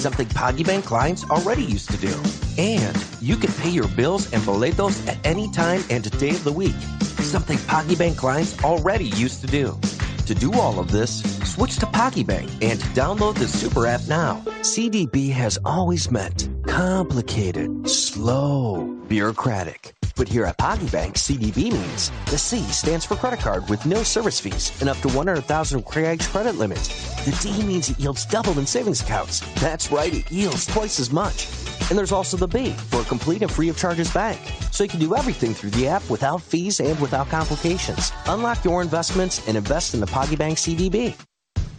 Something PagBank clients already used to do. You can pay your bills and boletos at any time and day of the week, something PagBank clients already used to do. To do all of this, switch to PagBank and download the super app now. CDB has always meant complicated, slow, bureaucratic. Here at PagBank, CDB means the C stands for credit card with no service fees and up to 100,000 credit limit. The D means it yields double in savings accounts. That's right, it yields twice as much. There's also the B for a complete and free of charges bank, so you can do everything through the app without fees and without complications. Unlock your investments and invest in the PagBank CDB.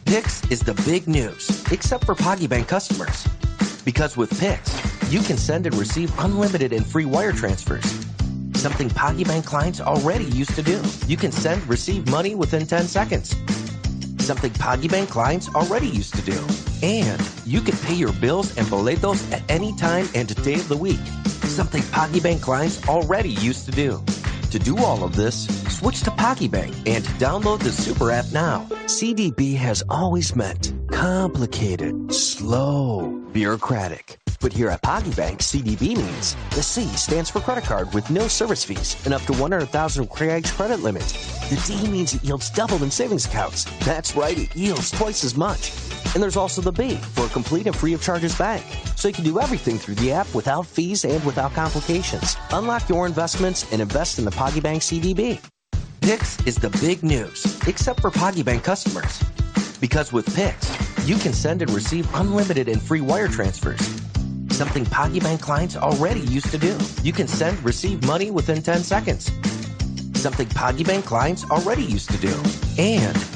Pix is the big news, except for PagBank customers. With Pix, you can send and receive unlimited and free wire transfers, something PagBank clients already used to do. You can send, receive money within 10 seconds, something PagBank clients already used to do. You can pay your bills and boletos at any time and day of the week, something PagBank clients already used to do. To do all of this, switch to PagBank and download the super app now. CDB has always meant complicated, slow, bureaucratic. Here at PagBank, CDB means the C stands for credit card with no service fees and up to 100,000 credit limit. The D means it yields double in savings accounts. That's right, it yields twice as much. There's also the B for a complete and free of charges bank, so you can do everything through the app without fees and without complications. Unlock your investments and invest in the PagBank CDB. Pix is the big news, except for PagBank customers. With Pix, you can send and receive unlimited and free wire transfers, something PagBank clients already used to do. You can send, receive money within 10 seconds, something PagBank clients already used to do.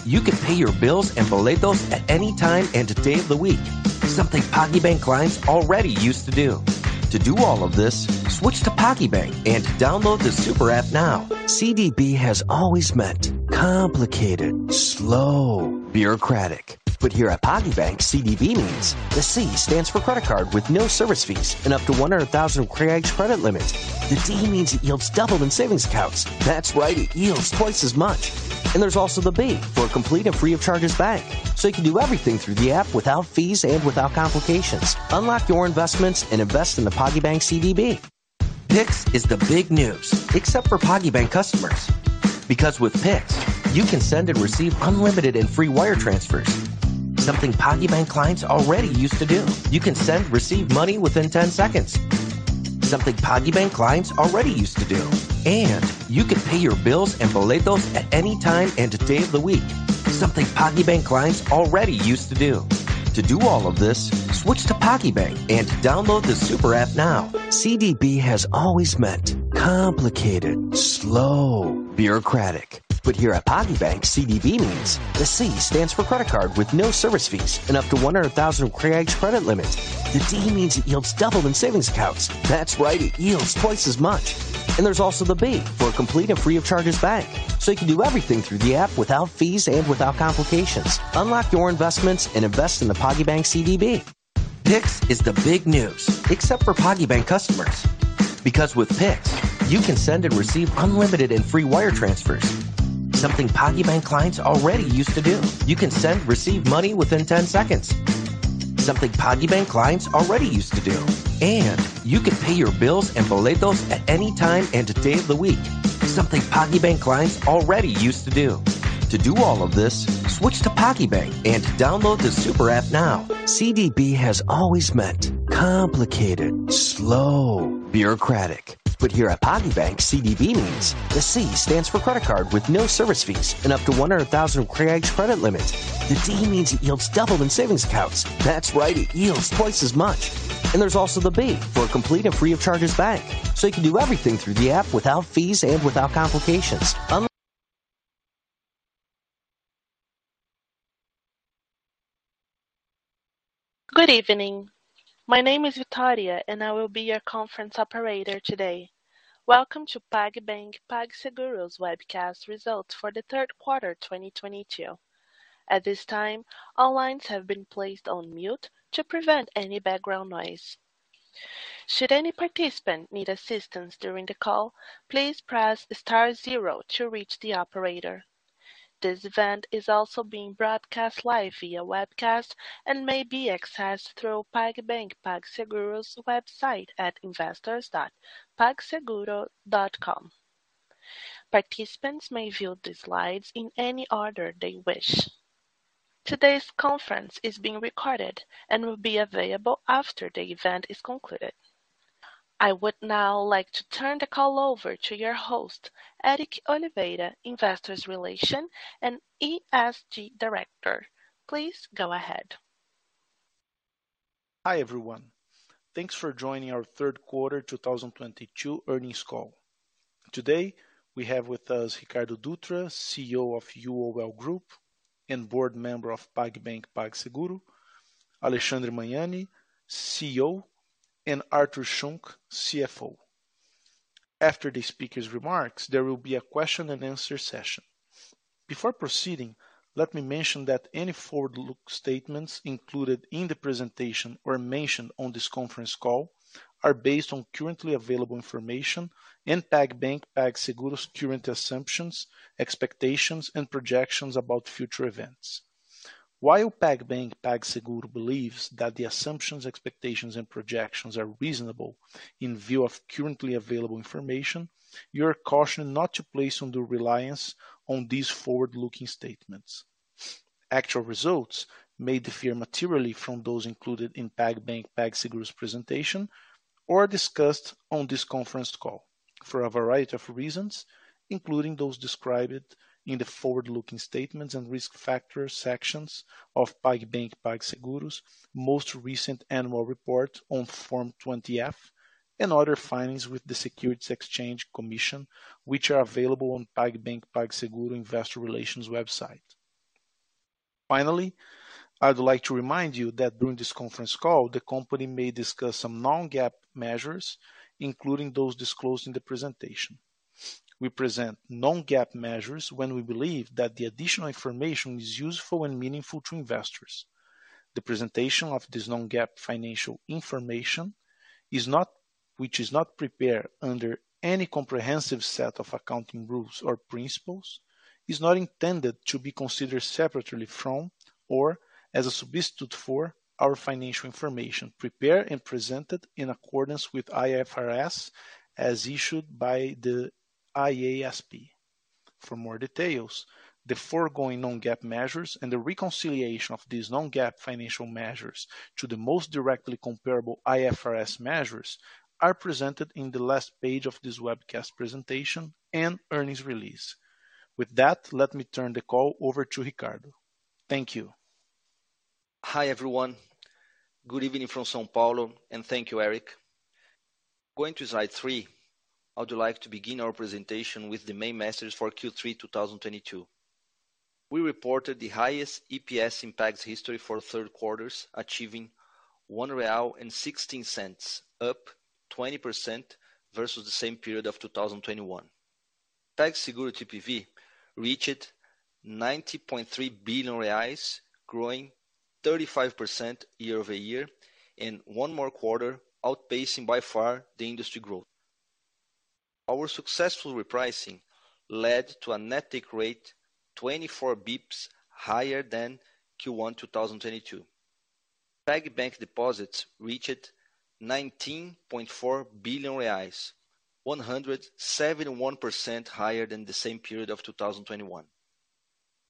You can pay your bills and boletos at any time and day of the week, something PagBank clients already used to do. To do all of this, switch to PagBank and download the super app now. CDB has always meant complicated, slow, bureaucratic. Here at PagBank, CDB means the C stands for credit card with no service fees and up to 100,000 credit limit. The D means it yields double in savings accounts. That's right, it yields twice as much. There's also the B for a complete and free of charges bank, so you can do everything through the app without fees and without complications. Unlock your investments and invest in the PagBank CDB. Pix is the big news, except for PagBank customers. Because with Pix, you can send and receive unlimited and free wire transfers, something PagBank clients already used to do. You can send, receive money within 10 seconds, something PagBank clients already used to do. You can pay your bills and boletos at any time and day of the week, something PagBank clients already used to do. To do all of this, switch to PagBank and download the super app now. CDB has always meant complicated, slow, bureaucratic. Here at PagBank, CDB means the C stands for credit card with no service fees and up to 100,000 credit limit. The D means it yields double in savings accounts. That's right, it yields twice as much. There's also the B for a complete and free of charges bank, so you can do everything through the app without fees and without complications. Unlock your investments and invest in the PagBank CDB. Pix is the big news, except for PagBank customers. With Pix, you can send and receive unlimited and free wire transfers, something PagBank clients already used to do. You can send, receive money within 10 seconds, something PagBank clients already used to do. You can pay your bills and boletos at any time and day of the week, something PagBank clients already used to do. To do all of this, switch to PagBank and download the super app now. CDB has always meant complicated, slow, bureaucratic. Here at PagBank, CDB means the C stands for credit card with no service fees and up to 100,000 credit limit. The D means it yields double in savings accounts. That's right, it yields twice as much. There's also the B for a complete and free of charges bank, so you can do everything through the app without fees and without complications. Good evening. My name is Victoria, I will be your conference operator today. Welcome to PagBank PagSeguro's webcast results for the third quarter 2022. At this time, all lines have been placed on mute to prevent any background noise. Should any participant need assistance during the call, please press star zero to reach the operator. This event is also being broadcast live via webcast and may be accessed through PagBank PagSeguro's website at investors.pagseguro.com. Participants may view the slides in any order they wish. Today's conference is being recorded and will be available after the event is concluded. I would now like to turn the call over to your host, Eric Oliveira, Investor Relations and ESG Director. Please go ahead. Hi, everyone. Thanks for joining our 3rd quarter 2022 earnings call. Today, we have with us Ricardo Dutra, CEO of UOL Group and board member of PagBank PagSeguro, Alexandre Magnani, CEO, and Artur Schunck, CFO. After the speakers' remarks, there will be a question and answer session. Before proceeding, let me mention that any forward-look statements included in the presentation or mentioned on this conference call are based on currently available information and PagBank PagSeguro's current assumptions, expectations, and projections about future events. While PagBank PagSeguro believes that the assumptions, expectations, and projections are reasonable in view of currently available information, you are cautioned not to place undue reliance on these forward-looking statements. Actual results may differ materially from those included in PagBank PagSeguro's presentation or discussed on this conference call for a variety of reasons, including those described in the forward-looking statements and risk factors sections of PagBank PagSeguro's most recent annual report on Form 20-F and other filings with the Securities and Exchange Commission, which are available on PagBank PagSeguro investor relations website. Finally, I'd like to remind you that during this conference call, the company may discuss some non-GAAP measures, including those disclosed in the presentation. We present non-GAAP measures when we believe that the additional information is useful and meaningful to investors. The presentation of this non-GAAP financial information which is not prepared under any comprehensive set of accounting rules or principles, is not intended to be considered separately from or as a substitute for our financial information prepared and presented in accordance with IFRS as issued by the IASB. For more details, the foregoing non-GAAP measures and the reconciliation of these non-GAAP financial measures to the most directly comparable IFRS measures are presented in the last page of this webcast presentation and earnings release. With that, let me turn the call over to Ricardo. Thank you. Hi, everyone. Good evening from São Paulo, and thank you, Eric. Going to slide 3, I would like to begin our presentation with the main messages for Q3 2022. We reported the highest EPS in PagBank's history for third quarters, achieving 1.16 real, up 20% versus the same period of 2021. PagSeguro TPV reached BRL 90.3 billion, growing 35% year-over-year, and one more quarter outpacing by far the industry growth. Our successful repricing led to a net take rate 24 basis points higher than Q1 2022. PagBank deposits reached 19.4 billion reais, 171% higher than the same period of 2021.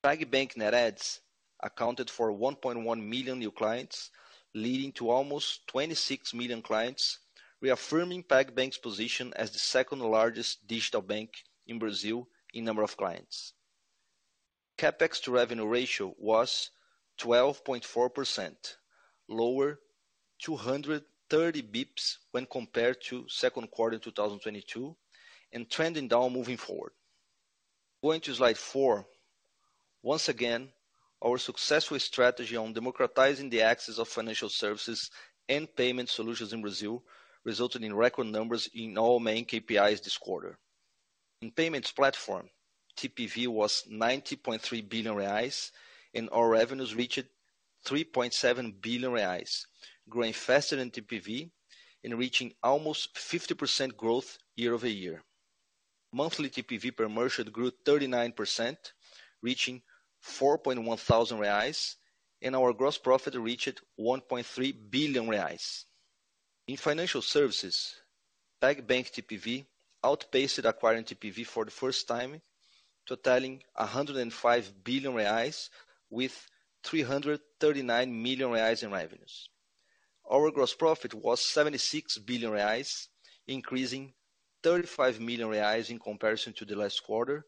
PagBank net adds accounted for 1.1 million new clients, leading to almost 26 million clients, reaffirming PagBank's position as the second-largest digital bank in Brazil in number of clients. CapEx to revenue ratio was 12.4%, lower 230 basis points when compared to second quarter 2022 and trending down moving forward. Going to slide 4. Once again, our successful strategy on democratizing the access of financial services and payment solutions in Brazil resulted in record numbers in all main KPIs this quarter. In payments platform, TPV was 90.3 billion reais, and our revenues reached 3.7 billion reais, growing faster than TPV and reaching almost 50% growth year-over-year. Monthly TPV per merchant grew 39%, reaching 4.1 thousand reais, and our gross profit reached 1.3 billion reais. In financial services, PagBank TPV outpaced acquiring TPV for the first time, totaling 105 billion reais with 339 million reais in revenues. Our gross profit was 76 billion reais, increasing 35 million reais in comparison to the last quarter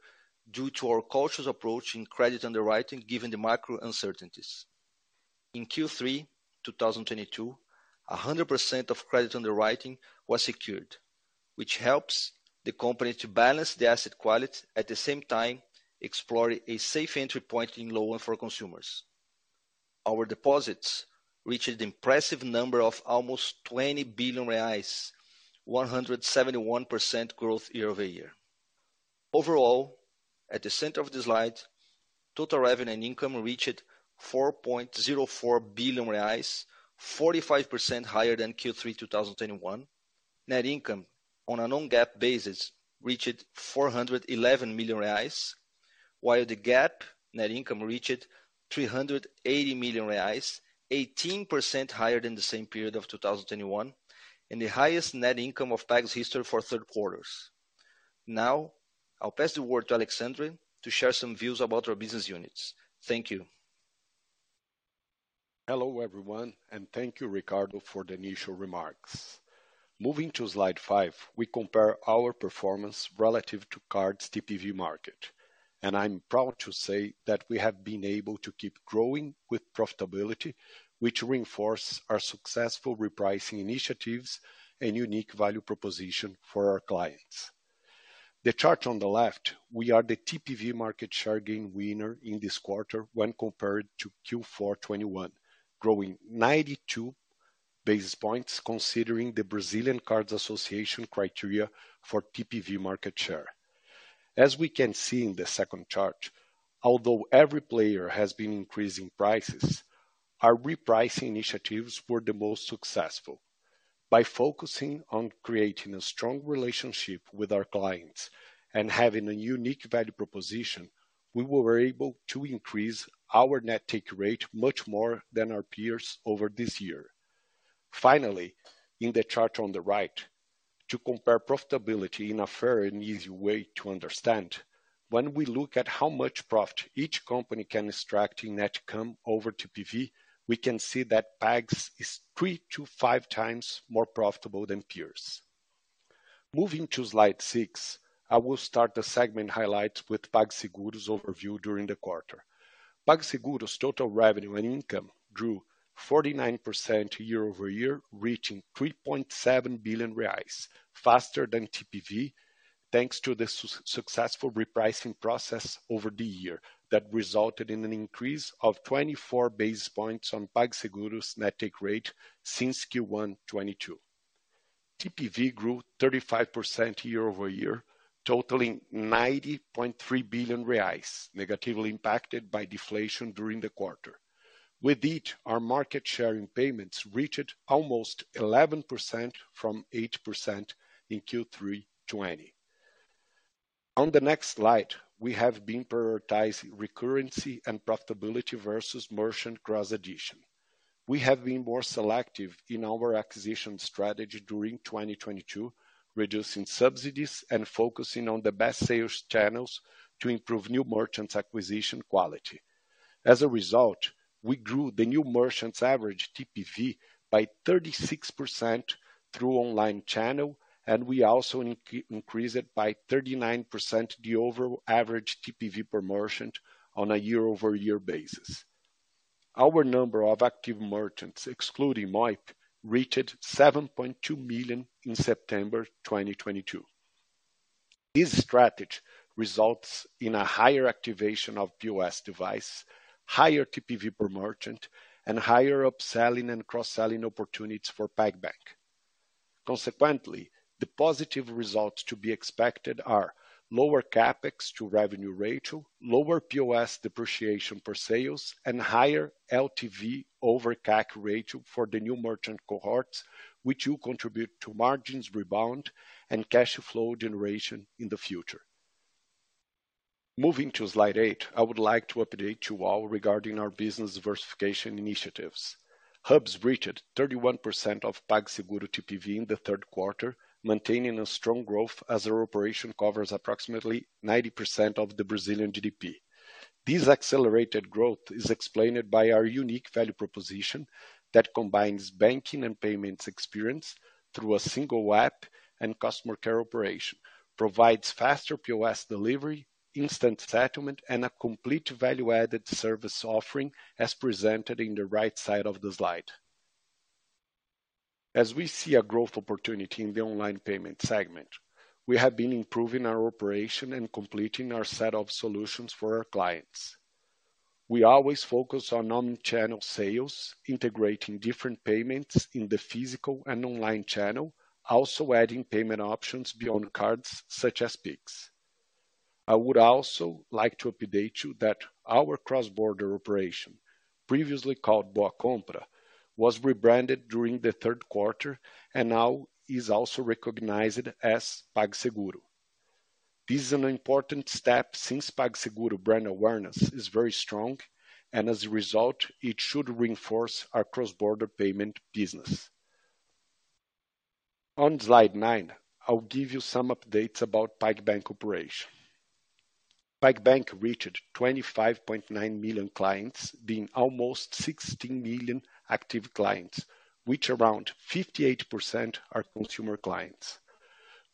due to our cautious approach in credit underwriting given the macro uncertainties. In Q3 2022, 100% of credit underwriting was secured, which helps the company to balance the asset quality at the same time explore a safe entry point in loan for consumers. Our deposits reached the impressive number of almost 20 billion reais, 171% growth year-over-year. Overall, at the center of the slide, total revenue and income reached 4.04 billion reais, 45% higher than Q3 2021. Net income on a non-GAAP basis reached 411 million reais, while the GAAP net income reached 380 million reais, 18% higher than the same period of 2021, and the highest net income of PagBank's history for third quarters. I'll pass the word to Alexandre to share some views about our business units. Thank you. Hello, everyone, thank you, Ricardo for the initial remarks. Moving to slide 5, we compare our performance relative to cards TPV market. I'm proud to say that we have been able to keep growing with profitability, which reinforce our successful repricing initiatives and unique value proposition for our clients. The chart on the left, we are the TPV market share game winner in this quarter when compared to Q4 2021, growing 92 basis points considering the Brazilian Cards Association criteria for TPV market share. As we can see in the second chart, although every player has been increasing prices, our repricing initiatives were the most successful. By focusing on creating a strong relationship with our clients and having a unique value proposition, we were able to increase our net take rate much more than our peers over this year. Finally, in the chart on the right, to compare profitability in a fair and easy way to understand, when we look at how much profit each company can extract in net comm over TPV, we can see that Pag's is 3 to 5 times more profitable than peers. Moving to slide 6, I will start the segment highlights with PagSeguro's overview during the quarter. PagSeguro's total revenue and income grew 49% year-over-year, reaching BRL 3.7 billion, faster than TPV, thanks to the successful repricing process over the year that resulted in an increase of 24 basis points on PagSeguro's net take rate since Q1 2022. TPV grew 35% year-over-year, totaling 90.3 billion reais, negatively impacted by deflation during the quarter. With it, our market share in payments reached almost 11% from 8% in Q3 2020. On the next slide, we have been prioritizing recurrency and profitability versus merchant cross addition. We have been more selective in our acquisition strategy during 2022, reducing subsidies and focusing on the best sales channels to improve new merchants acquisition quality. As a result, we grew the new merchants average TPV by 36% through online channel, and we also increase it by 39% the overall average TPV per merchant on a year-over-year basis. Our number of active merchants, excluding MEI, reached 7.2 million in September 2022. This strategy results in a higher activation of POS device, higher TPV per merchant, and higher upselling and cross-selling opportunities for PagBank. Consequently, the positive results to be expected are lower CapEx to revenue ratio, lower POS depreciation per sales, and higher LTV over CAC ratio for the new merchant cohorts, which will contribute to margins rebound and cash flow generation in the future. Moving to slide 8, I would like to update you all regarding our business diversification initiatives. Hubs reached 31% of PagSeguro TPV in the third quarter, maintaining a strong growth as our operation covers approximately 90% of the Brazilian GDP. This accelerated growth is explained by our unique value proposition that combines banking and payments experience through a single app and customer care operation, provides faster POS delivery, instant settlement, and a complete value-added service offering, as presented in the right side of the slide. As we see a growth opportunity in the online payment segment, we have been improving our operation and completing our set of solutions for our clients. We always focus on omni-channel sales, integrating different payments in the physical and online channel, also adding payment options beyond cards such as Pix. I would also like to update you that our cross-border operation, previously called BoaCompra, was rebranded during the third quarter and now is also recognized as PagSeguro. This is an important step since PagSeguro brand awareness is very strong, and as a result, it should reinforce our cross-border payment business. On slide 9, I'll give you some updates about PagBank operation. PagBank reached 25.9 million clients, being almost 16 million active clients, which around 58% are consumer clients.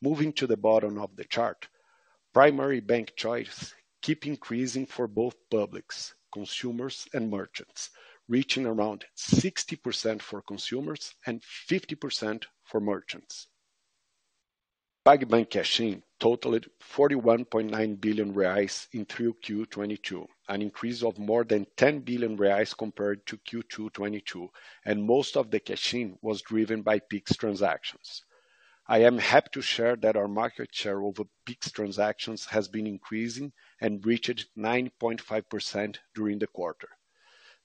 Moving to the bottom of the chart, primary bank choice keep increasing for both publics, consumers and merchants, reaching around 60% for consumers and 50% for merchants. PagBank cash-in totaled 41.9 billion reais in through Q2 2022, an increase of more than 10 billion reais compared to Q2 2022, and most of the cash-in was driven by Pix transactions. I am happy to share that our market share over Pix transactions has been increasing and reached 9.5% during the quarter.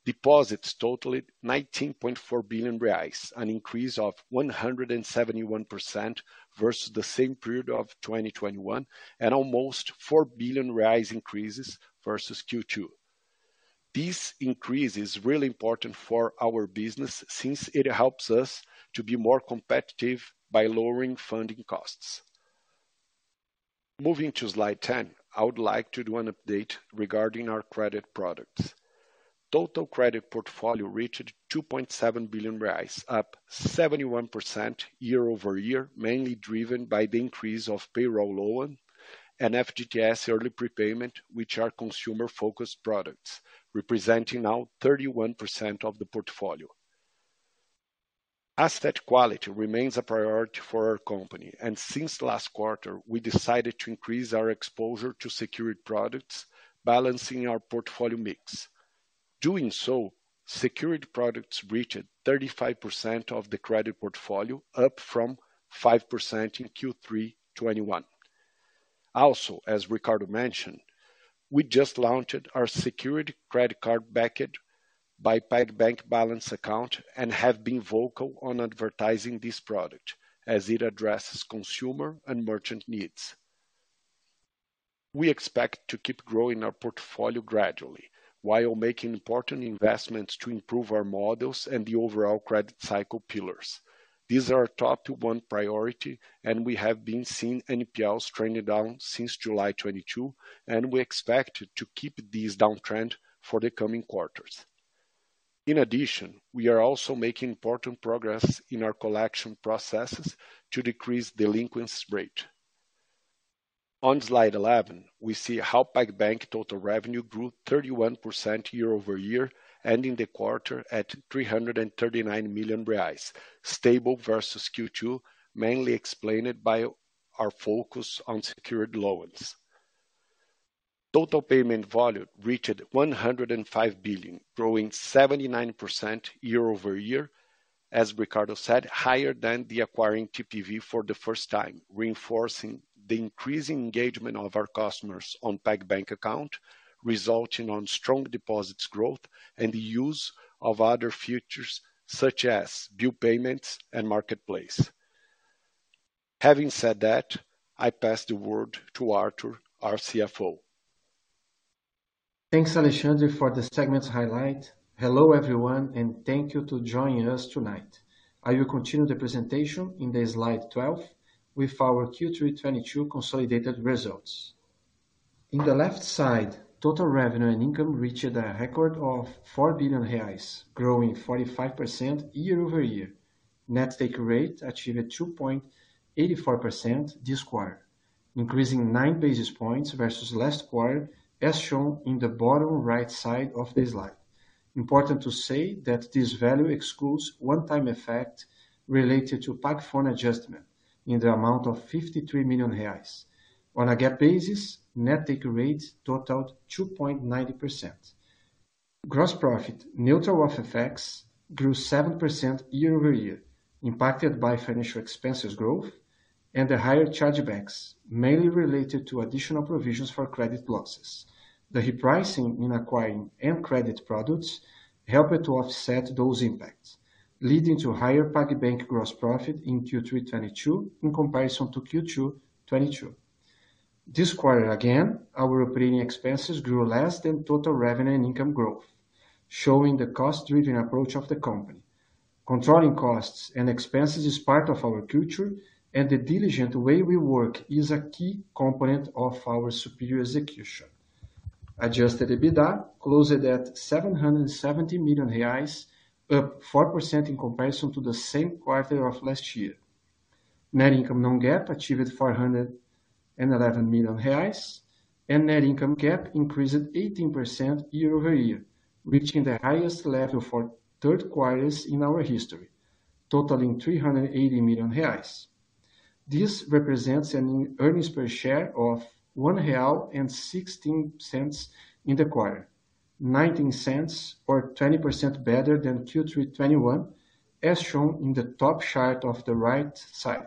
Deposits totaled 19.4 billion reais, an increase of 171% versus the same period of 2021 and almost 4 billion increases versus Q2. This increase is really important for our business since it helps us to be more competitive by lowering funding costs. Moving to slide 10, I would like to do an update regarding our credit products. Total credit portfolio reached 2.7 billion reais, up 71% year-over-year, mainly driven by the increase of payroll loan and FGTS early prepayment, which are consumer-focused products representing now 31% of the portfolio. Asset quality remains a priority for our company, and since last quarter, we decided to increase our exposure to secured products, balancing our portfolio mix. Doing so, secured products reached 35% of the credit portfolio, up from 5% in Q3 2021. Also, as Ricardo mentioned, we just launched our security credit card backed by PagBank balance account and have been vocal on advertising this product as it addresses consumer and merchant needs. We expect to keep growing our portfolio gradually while making important investments to improve our models and the overall credit cycle pillars. These are our top one priority, and we have been seeing NPLs trending down since July 2022, and we expect to keep this downtrend for the coming quarters. In addition, we are also making important progress in our collection processes to decrease delinquencies rate. On slide 11, we see how PagBank total revenue grew 31% year-over-year, ending the quarter at 339 million reais, stable versus Q2, mainly explained by our focus on secured loans. Total payment volume reached 105 billion, growing 79% year-over-year. As Ricardo said, higher than the acquiring TPV for the first time, reinforcing the increasing engagement of our customers on PagBank account, resulting on strong deposits growth and the use of other features such as bill payments and marketplace. Having said that, I pass the word to Artur, our CFO. Thanks, Alexandre, for the segment's highlight. Hello, everyone, and thank you to joining us tonight. I will continue the presentation in the slide 12 with our Q3 2022 consolidated results. In the left side, total revenue and income reached a record of 4 billion reais, growing 45% year-over-year. Net take rate achieved 2.84% this quarter, increasing 9 basis points versus last quarter, as shown in the bottom right side of the slide. Important to say that this value excludes one-time effect related to PagPhone adjustment in the amount of 53 million reais. On a GAAP basis, net take rate totaled 2.9%. Gross profit neutral of effects grew 7% year-over-year, impacted by financial expenses growth and the higher chargebacks, mainly related to additional provisions for credit losses. The repricing in acquiring and credit products helped to offset those impacts, leading to higher PagBank gross profit in Q3 2022 in comparison to Q2 2022. This quarter, again, our operating expenses grew less than total revenue and income growth, showing the cost-driven approach of the company. Controlling costs and expenses is part of our culture, and the diligent way we work is a key component of our superior execution. Adjusted EBITDA closed at 770 million reais, up 4% in comparison to the same quarter of last year. Net income non-GAAP achieved 411 million reais, and net income GAAP increased 18% year-over-year, reaching the highest level for third quarters in our history, totaling 380 million reais. This represents an earnings per share of 1.16 real in the quarter, 0.19 or 20% better than Q3 2021, as shown in the top chart of the right side.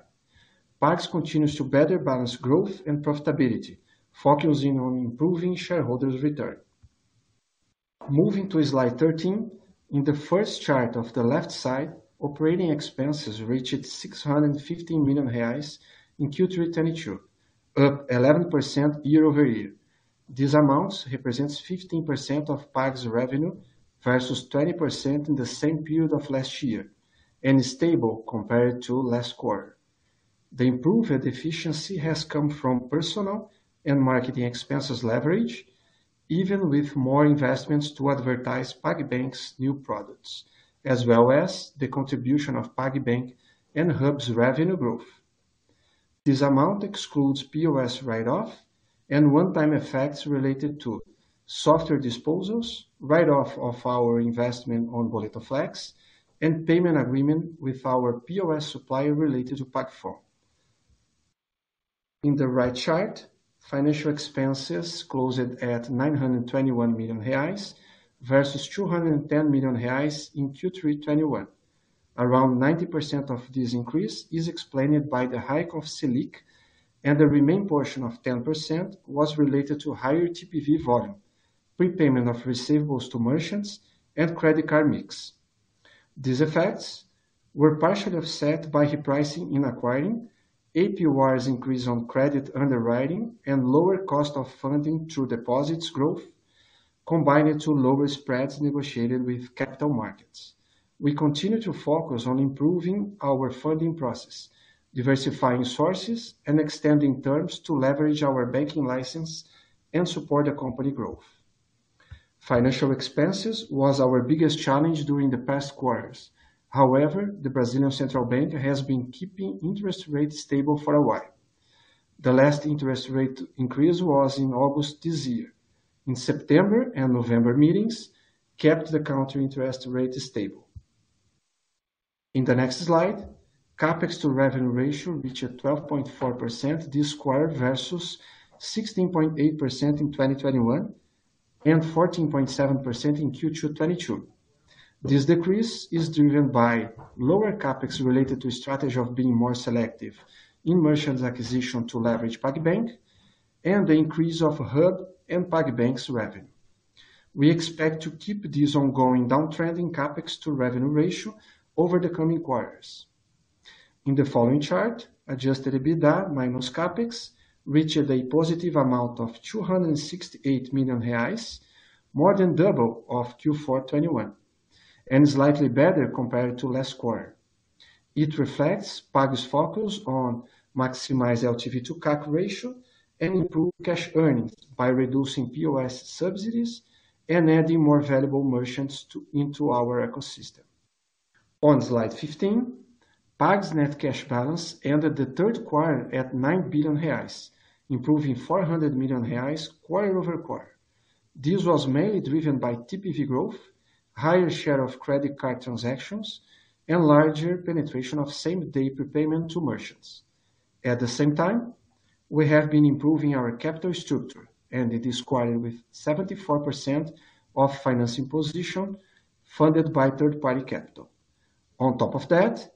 PagSeguro continues to better balance growth and profitability, focusing on improving shareholders' return. Moving to slide 13. In the first chart of the left side, operating expenses reached 615 million reais in Q3 2022, up 11% year-over-year. These amounts represents 15% of PagSeguro revenue versus 20% in the same period of last year and stable compared to last quarter. The improved efficiency has come from personal and marketing expenses leverage, even with more investments to advertise PagBank's new products, as well as the contribution of PagBank and Hubs revenue growth. This amount excludes POS write-off and one-time effects related to software disposals, write-off of our investment on BoletoFlex, and payment agreement with our POS supplier related to PagPhone. In the right chart, financial expenses closed at 921 million reais versus 210 million reais in Q3 2021. Around 90% of this increase is explained by the hike of Selic, the remaining portion of 10% was related to higher TPV volume, prepayment of receivables to merchants, and credit card mix. These effects were partially offset by repricing in acquiring, APRs increase on credit underwriting, and lower cost of funding through deposits growth, combined to lower spreads negotiated with capital markets. We continue to focus on improving our funding process, diversifying sources, and extending terms to leverage our banking license and support the company growth. Financial expenses was our biggest challenge during the past quarters. The Central Bank of Brazil has been keeping interest rates stable for a while. The last interest rate increase was in August this year. September and November meetings kept the counter interest rate stable. The next slide, CapEx to revenue ratio reached 12.4% this quarter versus 16.8% in 2021. 14.7% in Q2 '22. This decrease is driven by lower CapEx related to strategy of being more selective in merchants acquisition to leverage PagBank and the increase of hub and PagBank's revenue. We expect to keep this ongoing downtrend in CapEx to revenue ratio over the coming quarters. In the following chart, adjusted EBITDA minus CapEx reached a positive amount of 268 million reais, more than double of Q4 '21, and slightly better compared to last quarter. It reflects Pag's focus on maximize LTV to CAC ratio and improve cash earnings by reducing POS subsidies and adding more valuable merchants into our ecosystem. On slide 15, Pag's net cash balance ended the third quarter at 9 billion reais, improving 400 million reais quarter-over-quarter. This was mainly driven by TPV growth, higher share of credit card transactions, and larger penetration of same-day prepayment to merchants. At the same time, we have been improving our capital structure, and it is querying with 74% of financing position funded by third-party capital. On top of that,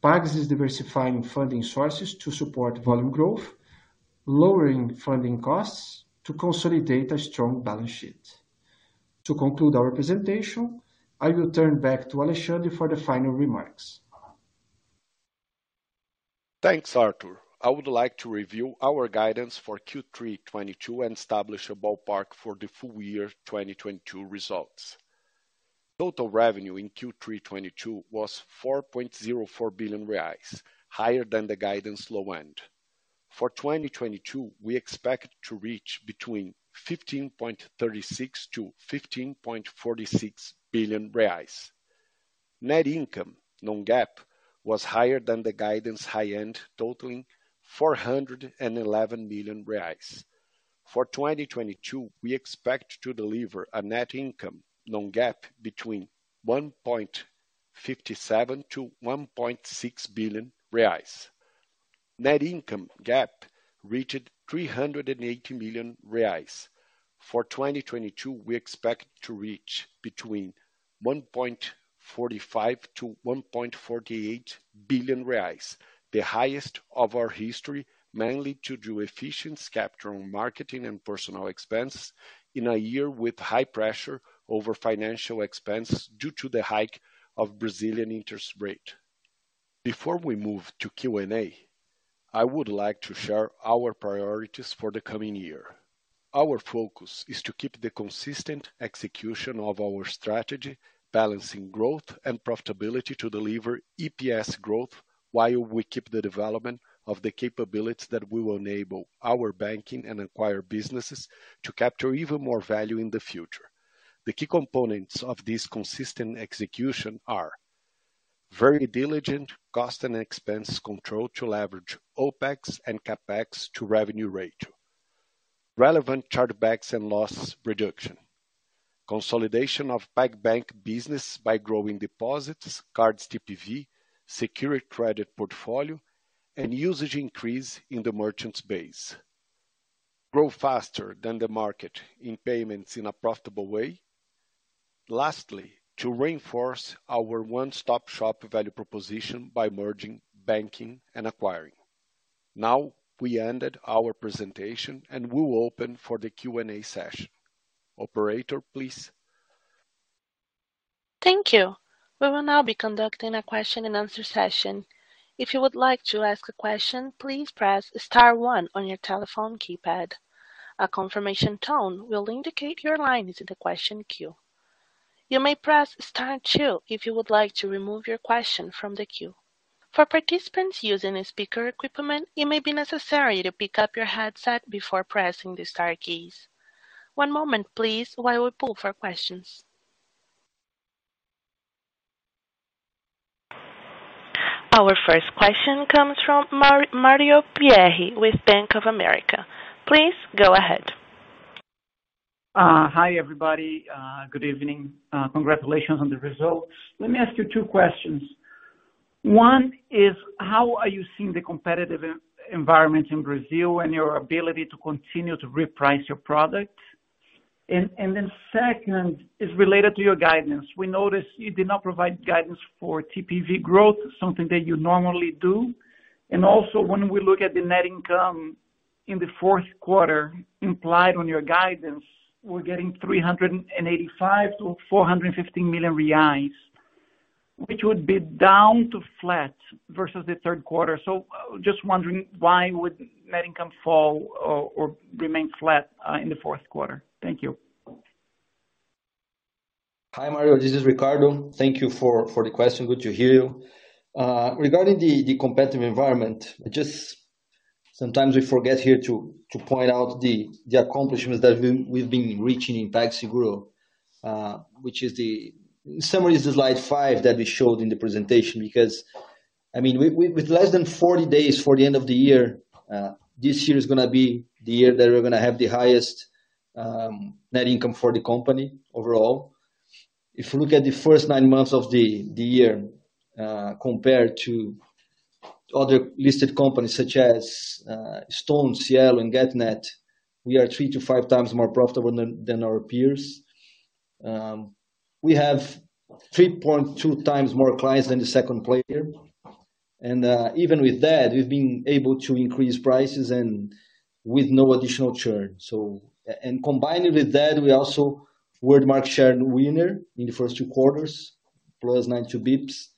Pag is diversifying funding sources to support volume growth, lowering funding costs to consolidate a strong balance sheet. To conclude our presentation, I will turn back to Alexandre for the final remarks. Thanks, Artur. I would like to review our guidance for Q3 '22 and establish a ballpark for the full year 2022 results. Total revenue in Q3 '22 was 4.04 billion reais, higher than the guidance low end. For 2022, we expect to reach between 15.36 billion-15.46 billion reais. Net income non-GAAP was higher than the guidance high end, totaling 411 million reais. For 2022, we expect to deliver a net income non-GAAP between BRL 1.57 billion-BRL 1.6 billion. Net income GAAP reached 380 million reais. For 2022, we expect to reach between 1.45 billion-1.48 billion reais, the highest of our history, mainly due to efficient capture on marketing and personal expense in a year with high pressure over financial expense due to the hike of Brazilian interest rate. Before we move to Q&A, I would like to share our priorities for the coming year. Our focus is to keep the consistent execution of our strategy, balancing growth and profitability to deliver EPS growth while we keep the development of the capabilities that will enable our banking and acquire businesses to capture even more value in the future. The key components of this consistent execution are very diligent cost and expense control to leverage OpEx and CapEx to revenue ratio. Relevant chargebacks and loss reduction. Consolidation of PagBank business by growing deposits, cards TPV, secure credit portfolio, and usage increase in the merchants base. Grow faster than the market in payments in a profitable way. Lastly, to reinforce our one-stop-shop value proposition by merging, banking, and acquiring. We ended our presentation, and we'll open for the Q&A session. Operator, please. Thank you. We will now be conducting a question and answer session. If you would like to ask a question, please press star one on your telephone keypad. A confirmation tone will indicate your line is in the question queue. You may press star two if you would like to remove your question from the queue. For participants using speaker equipment, it may be necessary to pick up your headset before pressing the star keys. One moment please while we pull for questions. Our first question comes from Mario Pierry with Bank of America. Please go ahead. Hi, everybody. Good evening. Congratulations on the results. Let me ask you 2 questions. One is, how are you seeing the competitive environment in Brazil and your ability to continue to reprice your product? Then second is related to your guidance. We noticed you did not provide guidance for TPV growth, something that you normally do. Also when we look at the net income in the fourth quarter implied on your guidance, we're getting 385 million-450 million reais, which would be down to flat versus the third quarter. Just wondering why would net income fall or remain flat in the fourth quarter? Thank you. Hi, Mario. This is Ricardo. Thank you for the question. Good to hear you. Regarding the competitive environment, just sometimes we forget here to point out the accomplishments that we've been reaching in PagSeguro, which is the Summary is slide 5 that we showed in the presentation. I mean, with less than 40 days for the end of the year, this year is gonna be the year that we're gonna have the highest net income for the company overall. If you look at the first 9 months of the year, compared to Other listed companies such as Stone, Cielo and Getnet, we are 3-5 times more profitable than our peers. We have 3.2 times more clients than the second player. Even with that, we've been able to increase prices and with no additional churn. Combining with that, we also were the market share winner in the first 2 quarters, plus 92 basis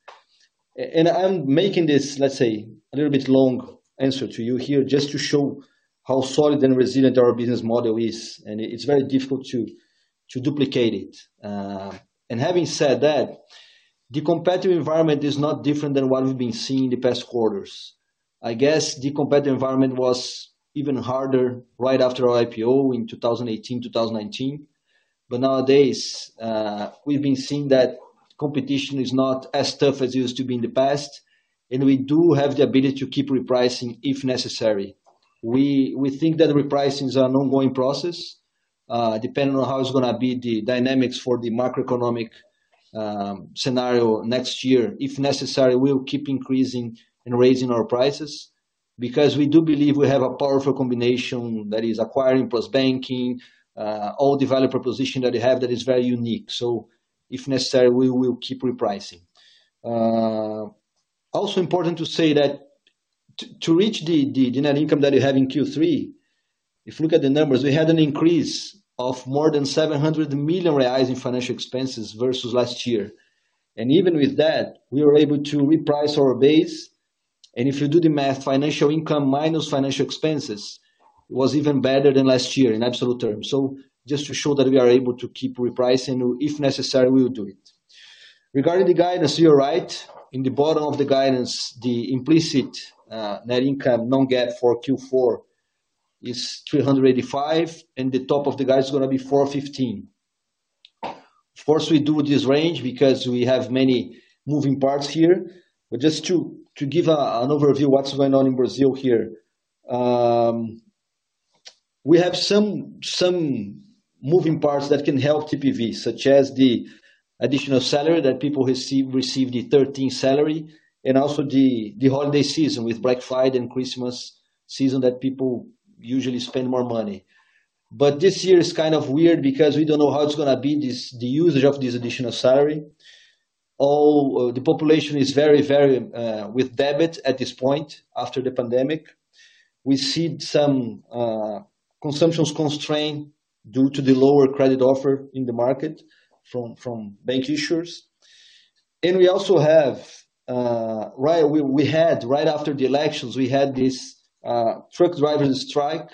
points. I'm making this, let's say, a little bit long answer to you here just to show how solid and resilient our business model is. It's very difficult to duplicate it. Having said that, the competitive environment is not different than what we've been seeing in the past quarters. I guess the competitive environment was even harder right after our IPO in 2018, 2019. Nowadays, we've been seeing that competition is not as tough as it used to be in the past, and we do have the ability to keep repricing if necessary. We think that repricing is an ongoing process, depending on how it's gonna be the dynamics for the macroeconomic scenario next year. If necessary, we'll keep increasing and raising our prices. We do believe we have a powerful combination that is acquiring plus banking, all the value proposition that we have that is very unique. If necessary, we will keep repricing. Also important to say that to reach the net income that we have in Q3, if you look at the numbers, we had an increase of more than 700 million reais in financial expenses versus last year. Even with that, we were able to reprice our base. If you do the math, financial income minus financial expenses was even better than last year in absolute terms. Just to show that we are able to keep repricing, if necessary, we will do it. Regarding the guidance, you're right. In the bottom of the guidance, the implicit net income non-GAAP for Q4 is 385, and the top of the guide is gonna be 415. Of course, we do this range because we have many moving parts here. Just to give an overview what's going on in Brazil here. We have some moving parts that can help TPV, such as the additional salary that people receive the thirteenth salary and also the holiday season with Black Friday and Christmas season that people usually spend more money. This year is kind of weird because we don't know how it's gonna be the usage of this additional salary. All the population is very varied with debit at this point after the pandemic. We see some consumptions constrained due to the lower credit offer in the market from bank issuers. We also have right... We had right after the elections, we had this truck drivers strike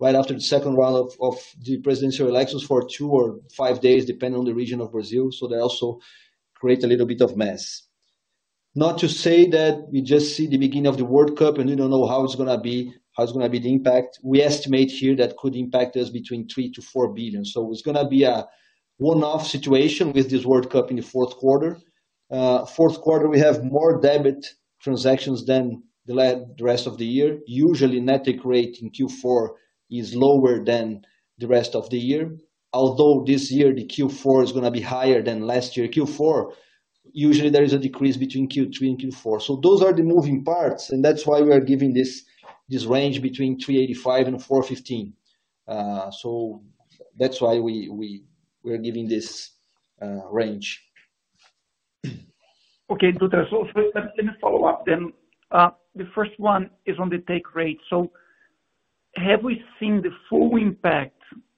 right after the second round of the presidential elections for 2 or 5 days, depending on the region of Brazil. They also create a little bit of mess. Not to say that we just see the beginning of the World Cup, and we don't know how it's gonna be the impact. We estimate here that could impact us between 3 billion-4 billion. It's gonna be a one-off situation with this World Cup in the fourth quarter. Fourth quarter, we have more debit transactions than the rest of the year. Usually, net take rate in Q4 is lower than the rest of the year. Although this year, the Q4 is gonna be higher than last year Q4. Usually, there is a decrease between Q3 and Q4. Those are the moving parts, and that's why we are giving this range between 385 and 415. That's why we're giving this range. Okay, Ricardo Dutra. Let me follow up then. The first one is on the take rate. Have we seen the full impact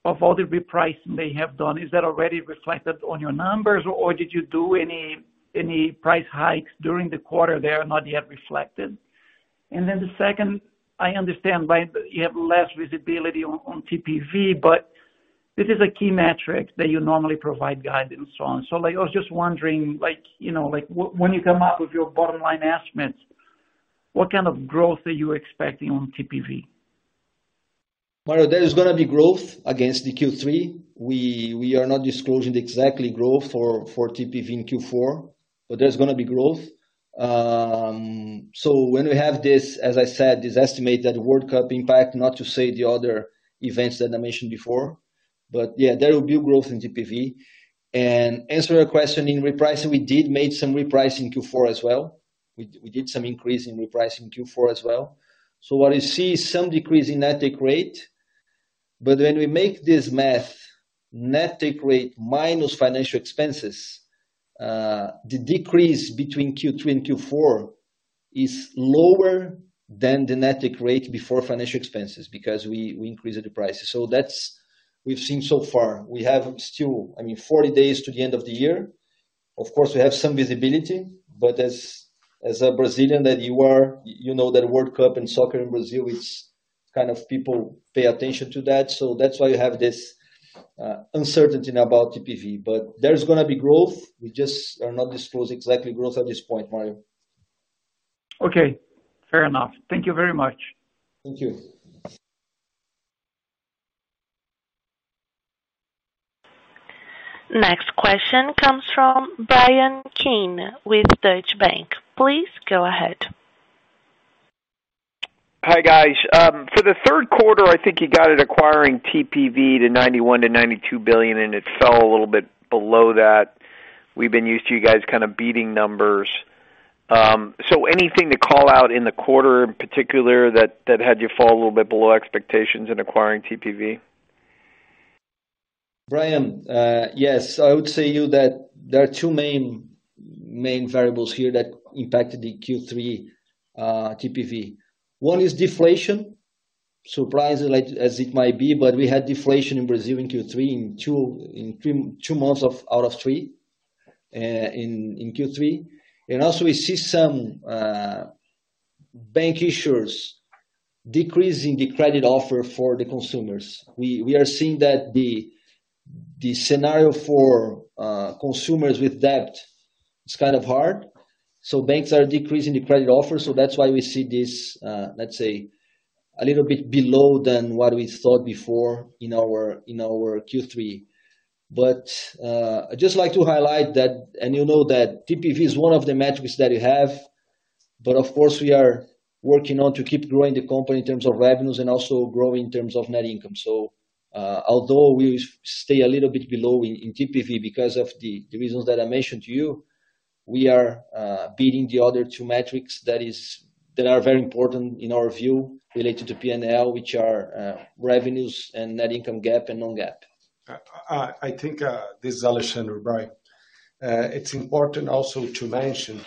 of all the repricing they have done? Is that already reflected on your numbers, or did you do any price hikes during the quarter there not yet reflected? The second, I understand why you have less visibility on TPV, but this is a key metric that you normally provide guidance on. I was just wondering, you know, when you come up with your bottom line estimates, what kind of growth are you expecting on TPV? Mario, there is gonna be growth against Q3. We are not disclosing exactly growth for TPV in Q4, but there's gonna be growth. When we have this, as I said, this estimate that World Cup impact, not to say the other events that I mentioned before, but yeah, there will be growth in TPV. Answer your question in repricing, we did made some repricing in Q4 as well. We did some increase in repricing in Q4 as well. What you see is some decrease in net take rate. When we make this math, net take rate minus financial expenses, the decrease between Q3 and Q4 is lower than the net take rate before financial expenses because we increased the prices. That's we've seen so far. We have still, I mean, 40 days to the end of the year. Of course, we have some visibility, but as a Brazilian that you are, you know that World Cup and soccer in Brazil, it's kind of people pay attention to that. That's why you have this uncertainty about TPV. There's gonna be growth. We just are not disclosing exactly growth at this point, Mario. Okay, fair enough. Thank Thank you very much. Thank you. Next question comes from Bryan Keane with Deutsche Bank. Please go ahead. Hi, guys. For the third quarter, I think you got it acquiring TPV to 91 billion-92 billion. It fell a little bit below that. We've been used to you guys kind of beating numbers. Anything to call out in the quarter in particular that had you fall a little bit below expectations in acquiring TPV? Bryan, yes. I would say to you that there are two main variables here that impacted the Q3 TPV. One is deflation. Surprising as it might be, but we had deflation in Brazil in Q3 in 2 months out of 3 in Q3. Also we see some bank issuers decreasing the credit offer for the consumers. We are seeing that the scenario for consumers with debt is kind of hard, so banks are decreasing the credit offer. That's why we see this, let's say a little bit below than what we thought before in our Q3. I'd just like to highlight that, and you know that TPV is one of the metrics that we have, but of course, we are working on to keep growing the company in terms of revenues and also grow in terms of net income. Although we stay a little bit below in TPV because of the reasons that I mentioned to you, we are beating the other two metrics that are very important in our view related to P&L, which are revenues and net income GAAP and non-GAAP. I think this is Alexandre. Bryan, it's important also to mention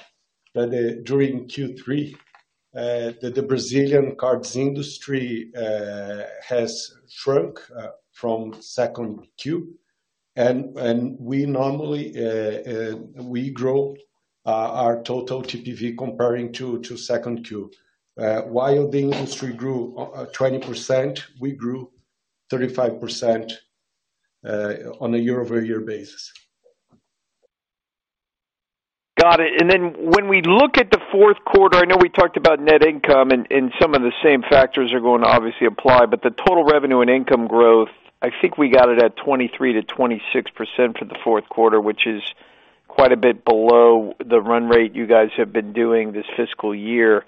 that during Q3, the Brazilian cards industry has shrunk from 2Q. We normally grow our total TPV comparing to 2Q. While the industry grew 20%, we grew 35% on a year-over-year basis Got it. When we look at the fourth quarter, I know we talked about net income and some of the same factors are going to obviously apply, but the total revenue and income growth, I think we got it at 23%-26% for the fourth quarter, which is quite a bit below the run rate you guys have been doing this fiscal year.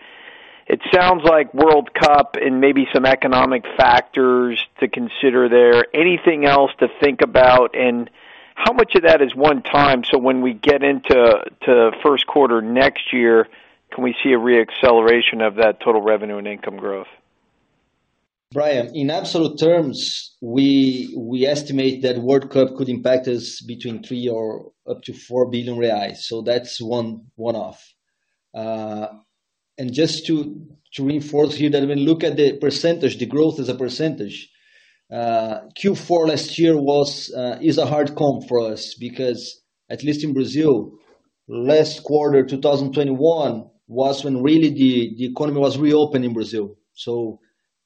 It sounds like World Cup and maybe some economic factors to consider there. Anything else to think about? How much of that is one time so when we get into first quarter next year, can we see a re-acceleration of that total revenue and income growth? Bryan, in absolute terms, we estimate that World Cup could impact us between 3 billion or up to 4 billion reais. That's one-off. And just to reinforce here that when we look at the percentage, the growth as a percentage, Q4 last year is a hard comp for us because at least in Brazil, last quarter, 2021 was when really the economy was reopened in Brazil.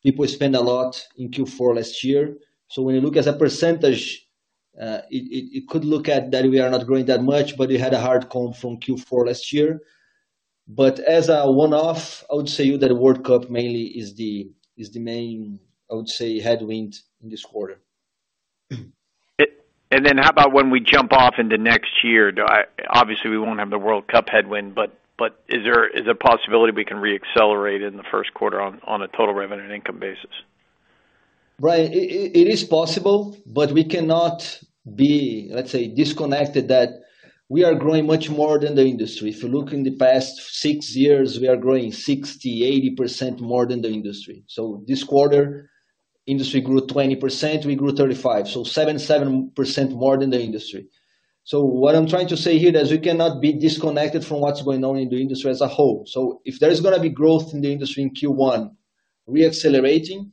People spent a lot in Q4 last year. When you look as a percentage, it could look at that we are not growing that much, but we had a hard comp from Q4 last year. As a one-off, I would say that World Cup mainly is the main, I would say, headwind in this quarter. How about when we jump off into next year? Obviously, we won't have the World Cup headwind, but is there possibility we can re-accelerate in the first quarter on a total revenue and income basis? Bryan, it is possible, we cannot be, let's say, disconnected that we are growing much more than the industry. If you look in the past six years, we are growing 60%, 80% more than the industry. This quarter, industry grew 20%, we grew 35%. 7% more than the industry. What I'm trying to say here is we cannot be disconnected from what's going on in the industry as a whole. If there is gonna be growth in the industry in Q1, re-accelerating,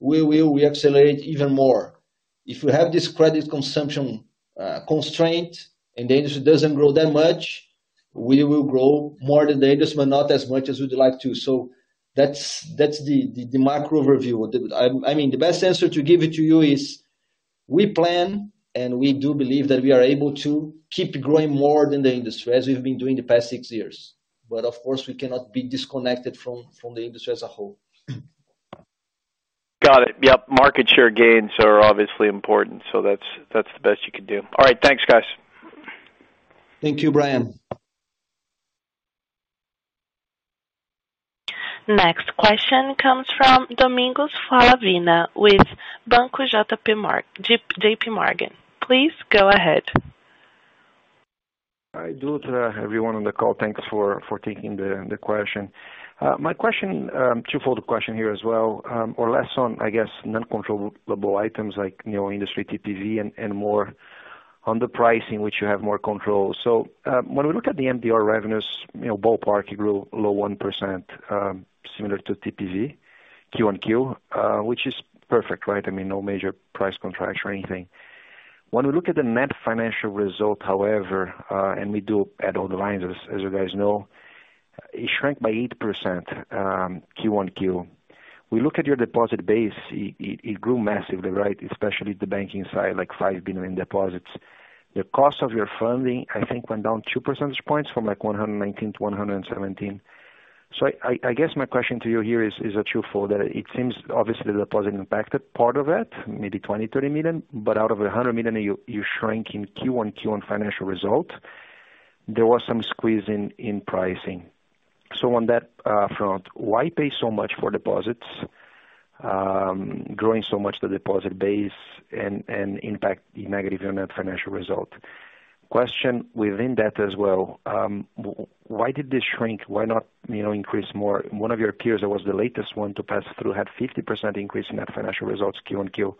we will re-accelerate even more. If we have this credit consumption constraint and the industry doesn't grow that much, we will grow more than the industry, but not as much as we'd like to. That's the macro overview. I mean, the best answer to give it to you is we plan, and we do believe that we are able to keep growing more than the industry as we've been doing the past 6 years. Of course, we cannot be disconnected from the industry as a whole. Got it. Yep. Market share gains are obviously important, so that's the best you can do. All right. Thanks, guys. Thank you, Bryan. Next question comes from Domingos Falavina with Banco J.P. Morgan. Please go ahead. Hi, good afternoon, everyone on the call. Thanks for taking the question. My question, twofold question here as well, or less on, I guess, non-controllable items like, you know, industry TPV and more on the pricing which you have more control. When we look at the MDR revenues, you know, ballpark, it grew low 1%, similar to TPV quarter-over-quarter, which is perfect, right? I mean, no major price contracts or anything. When we look at the net financial result, however, and we do add all the lines, as you guys know, it shrank by 8%, quarter-over-quarter. We look at your deposit base, it grew massively, right? Especially the banking side, like 5 billion in deposits. The cost of your funding, I think, went down 2 percentage points from like 119 to 117. I guess my question to you here is a twofold, that it seems obviously the deposit impacted part of it, maybe 20 million, 30 million, but out of 100 million you shrank in Q on Q on financial result. There was some squeeze in pricing. On that front, why pay so much for deposits, growing so much the deposit base and impact the negative net financial result? Question within that as well, why did this shrink? Why not, you know, increase more? One of your peers that was the latest one to pass through had 50% increase in net financial results Q-on-Q.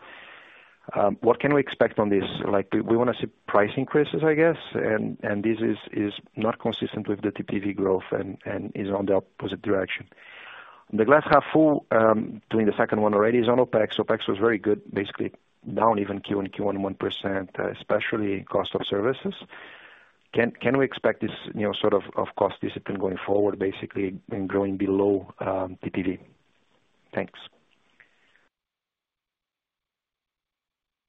What can we expect on this? Like do we wanna see price increases, I guess? This is not consistent with the TPV growth and is on the opposite direction. The glass half full, during the second one already is on OpEx. OpEx was very good, basically down even Q-on-Q 1%, especially cost of services. Can we expect this, you know, sort of cost discipline going forward, basically in growing below TPV? Thanks.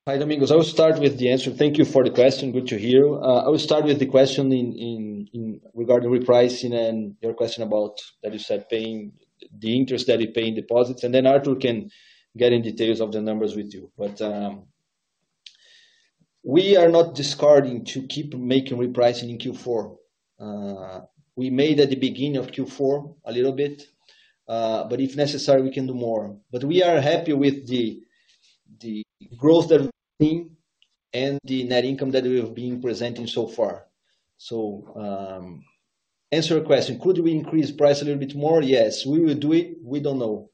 Hi, Domingos. I will start with the answer. Thank you for the question. Good to hear. I will start with the question in regard to repricing and your question about that you said paying the interest that is paying deposits. Artur can get in details of the numbers with you. We are not discarding to keep making repricing in Q4. We made at the beginning of Q4 a little bit, if necessary, we can do more. We are happy with the growth that we've seen and the net income that we have been presenting so far. Answer your question, could we increase price a little bit more? Yes. We will do it. We don't know.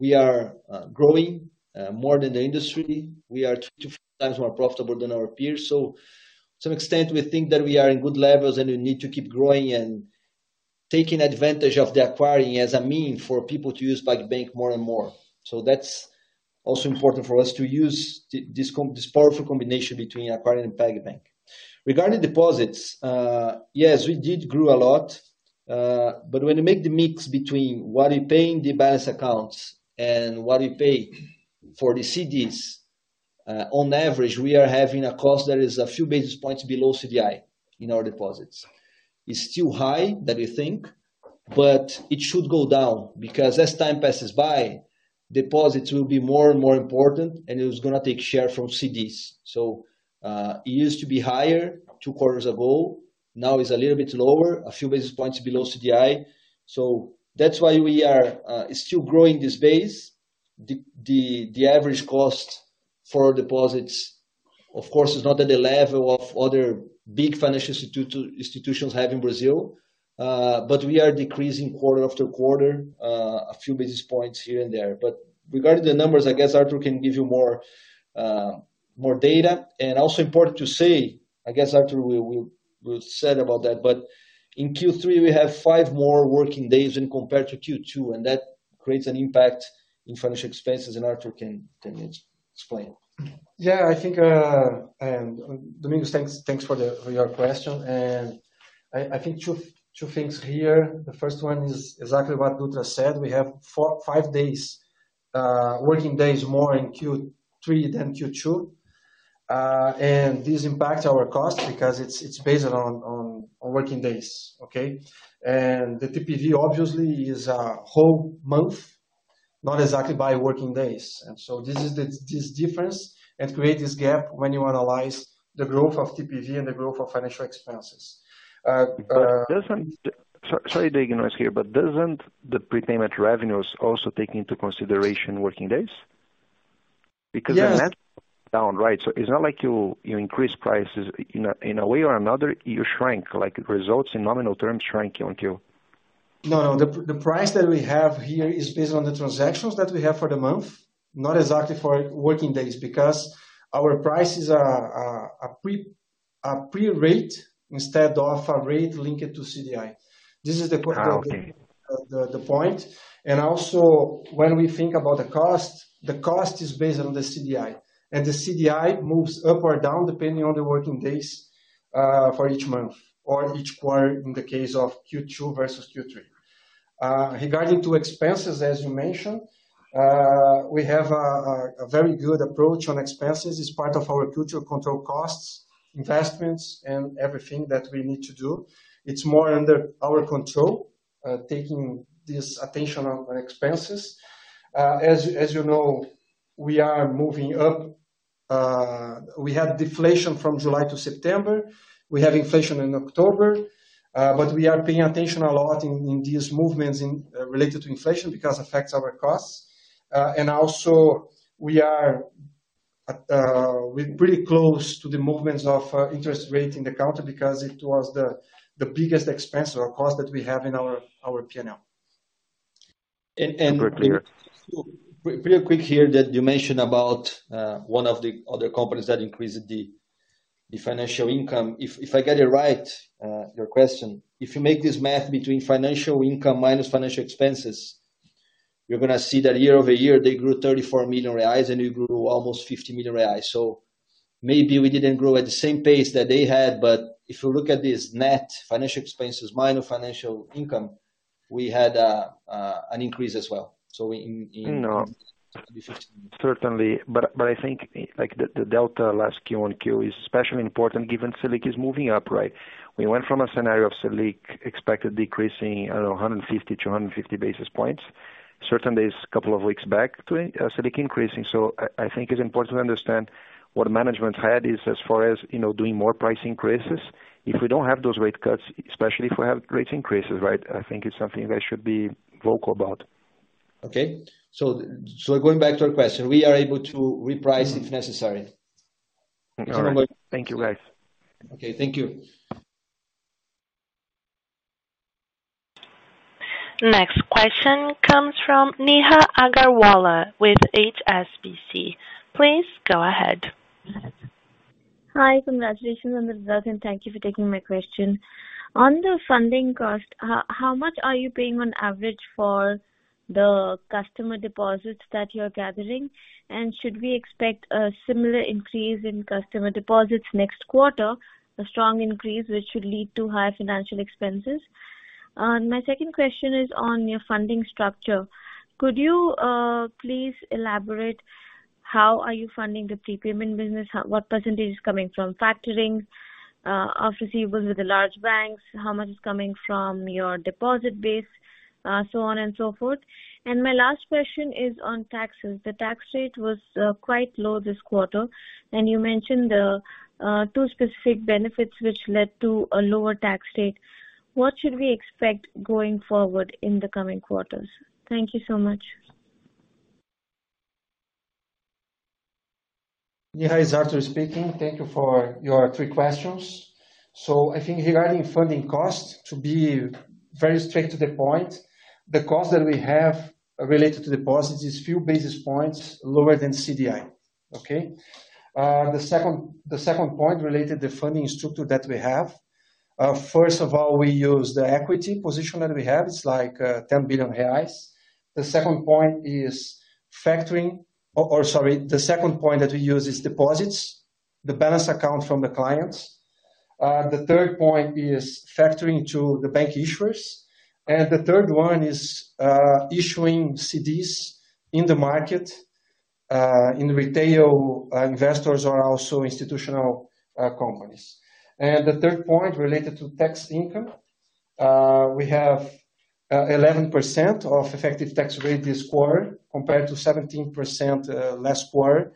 We are growing more than the industry. We are 2 times more profitable than our peers. To some extent, we think that we are in good levels, and we need to keep growing and taking advantage of the acquiring as a mean for people to use PagBank more and more. That's also important for us to use this powerful combination between Acquiring and PagBank. Regarding deposits, yes, we did grew a lot. When you make the mix between what we pay in the balance accounts and what we pay for the CDs, on average, we are having a cost that is a few basis points below CDI in our deposits. It's still high than we think, but it should go down because as time passes by, deposits will be more and more important, and it was gonna take share from CDs. It used to be higher two quarters ago. Now it's a little bit lower, a few basis points below CDI. That's why we are still growing this base. The average cost for deposits, of course, is not at the level of other big financial institutions have in Brazil. We are decreasing quarter after quarter, a few basis points here and there. Regarding the numbers, I guess Artur can give you more data. Also important to say, I guess Artur will said about that, but in Q3 we have 5 more working days than compared to Q2, and that creates an impact in financial expenses and Artur can explain. Yeah, I think, Domingos, thanks for your question. I think 2 things here. The first one is exactly what Dutra said. We have 5 days, working days more in Q3 than Q2. This impacts our cost because it's based on working days. Okay? The TPV obviously is a whole month, not exactly by working days. So this is the difference and create this gap when you analyze the growth of TPV and the growth of financial expenses. Sorry to interrupt here, but doesn't the prepayment revenues also take into consideration working days? Yes. The net down, right? It's not like you increase prices. In a way or another, you shrank, like results in nominal terms shrank Q-on-Q. No, no. The price that we have here is based on the transactions that we have for the month, not exactly for working days, because our prices are pre-rate instead of a rate linked to CDI. This is the point I'm getting- Okay. The point. Also when we think about the cost, the cost is based on the CDI. The CDI moves up or down depending on the working days for each month or each quarter in the case of Q2 versus Q3. Regarding to expenses, as you mentioned, we have a very good approach on expenses. It's part of our future control costs, investments and everything that we need to do. It's more under our control, taking this attention on expenses. As you know, we are moving up. We had deflation from July to September. We have inflation in October. We are paying attention a lot in these movements related to inflation because affects our costs. Also we are at, we're pretty close to the movements of interest rate in the country because it was the biggest expense or cost that we have in our P&L. Super clear. Pretty quick here that you mentioned about one of the other companies that increased the financial income. If I get it right, your question, if you make this math between financial income minus financial expenses, you're gonna see that year over year, they grew 34 million reais and we grew almost 50 million reais. Maybe we didn't grow at the same pace that they had, but if you look at this net financial expenses minus financial income, we had an increase as well. In No. This is- Certainly, I think, like the delta last Q-on-Q is especially important given Selic is moving up, right? We went from a scenario of Selic expected decreasing, I don't know, 150 to 150 basis points. Certain days, a couple of weeks back to, so they keep increasing. I think it's important to understand what management had is as far as, you know, doing more price increases. If we don't have those rate cuts, especially if we have rate increases, right? I think it's something they should be vocal about. Okay. going back to our question, we are able to reprice if necessary. All right. Thank you, guys. Okay, thank you. Next question comes from Neha Agarwala with HSBC. Please go ahead. Hi, congratulations on the result. Thank you for taking my question. On the funding cost, how much are you paying on average for the customer deposits that you're gathering? Should we expect a similar increase in customer deposits next quarter, a strong increase which should lead to higher financial expenses? My second question is on your funding structure. Could you please elaborate how are you funding the prepayment business? What % is coming from factoring of receivables with the large banks? How much is coming from your deposit base, so on and so forth? My last question is on taxes. The tax rate was quite low this quarter, and you mentioned the two specific benefits which led to a lower tax rate. What should we expect going forward in the coming quarters? Thank you so much. Neha, it's Artur speaking. Thank you for your three questions. I think regarding funding costs, to be very straight to the point, the cost that we have related to deposits is few basis points lower than CDI, okay? The second point related to funding structure that we have, first of all, we use the equity position that we have. It's like 10 billion reais. The second point that we use is deposits, the balance account from the clients. The third point is factoring to the bank issuers. The third one is issuing CDs in the market, in retail investors or also institutional companies. The third point related to tax income, we have 11% of effective tax rate this quarter compared to 17% last quarter.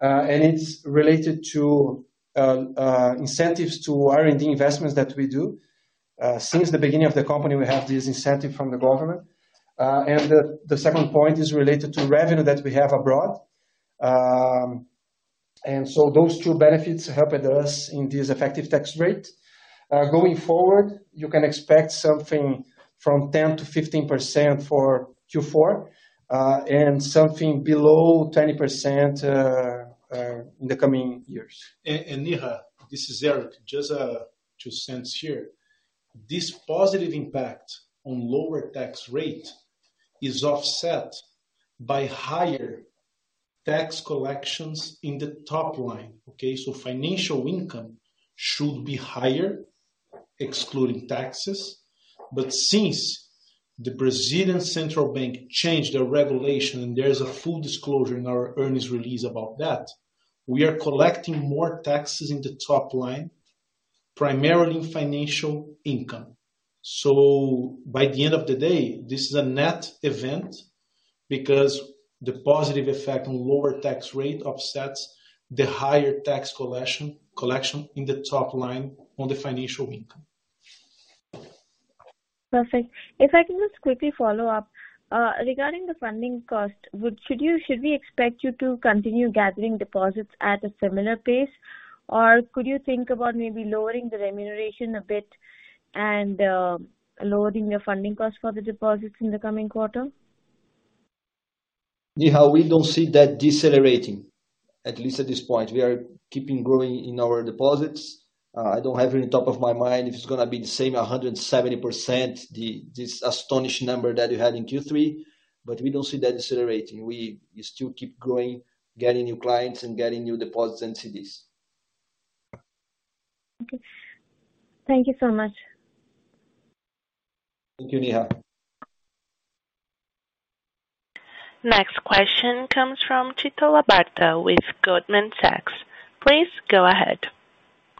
It's related to incentives to R&D investments that we do. Since the beginning of the company, we have this incentive from the government. The second point is related to revenue that we have abroad. So those two benefits helped us in this effective tax rate. Going forward, you can expect something from 10%-15% for Q4, and something below 20% in the coming years. Neha, this is Eric. Just 2 cents here. This positive impact on lower tax rate is offset by higher tax collections in the top line, okay. Financial income should be higher, excluding taxes. Since the Central Bank of Brazil changed their regulation, and there is a full disclosure in our earnings release about that, we are collecting more taxes in the top line, primarily in financial income. By the end of the day, this is a net event because the positive effect on lower tax rate offsets the higher tax collection in the top line on the financial income. Perfect. If I can just quickly follow up, regarding the funding cost, should we expect you to continue gathering deposits at a similar pace? Or could you think about maybe lowering the remuneration a bit and lowering your funding cost for the deposits in the coming quarter? Neha, we don't see that decelerating, at least at this point. We are keeping growing in our deposits. I don't have it on top of my mind if it's gonna be the same 170%, this astonished number that you had in Q3, but we don't see that decelerating. We still keep growing, getting new clients and getting new deposits and CDs. Okay. Thank you so much. Thank you, Neha. Next question comes from Tito Labarta with Goldman Sachs. Please go ahead.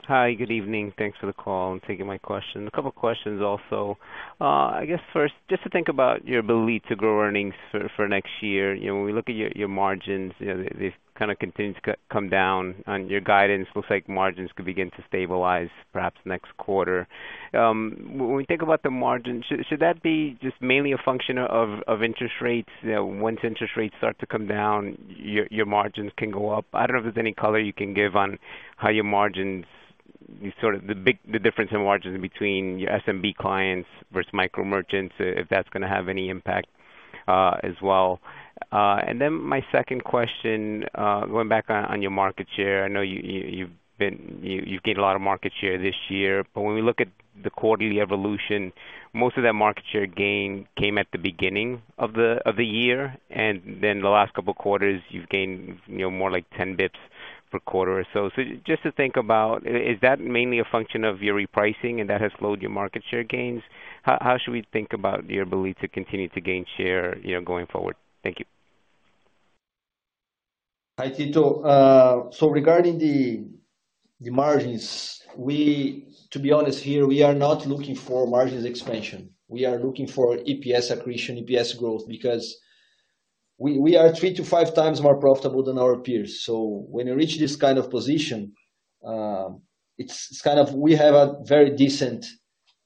Hi. Good evening. Thanks for the call and taking my question. A couple of questions also. I guess first, just to think about your ability to grow earnings for next year. You know, when we look at your margins, you know, they kind of continue to come down, and your guidance looks like margins could begin to stabilize perhaps next quarter. When we think about the margins, should that be just mainly a function of interest rates? You know, once interest rates start to come down, your margins can go up. I don't know if there's any color you can give on how your margins, you sort of the difference in margins between your SMB clients versus micro merchants, if that's gonna have any impact, as well? My second question, going back on your market share. I know you've gained a lot of market share this year, when we look at the quarterly evolution, most of that market share gain came at the beginning of the year, and then the last couple quarters you've gained, you know, more like 10 basis points per quarter or so. Just to think about, is that mainly a function of your repricing and that has slowed your market share gains? How should we think about your ability to continue to gain share, you know, going forward? Thank you. Hi, Tito. regarding the margins, to be honest here, we are not looking for margins expansion. We are looking for EPS accretion, EPS growth because we are three to five times more profitable than our peers. When you reach this kind of position, it's kind of we have a very decent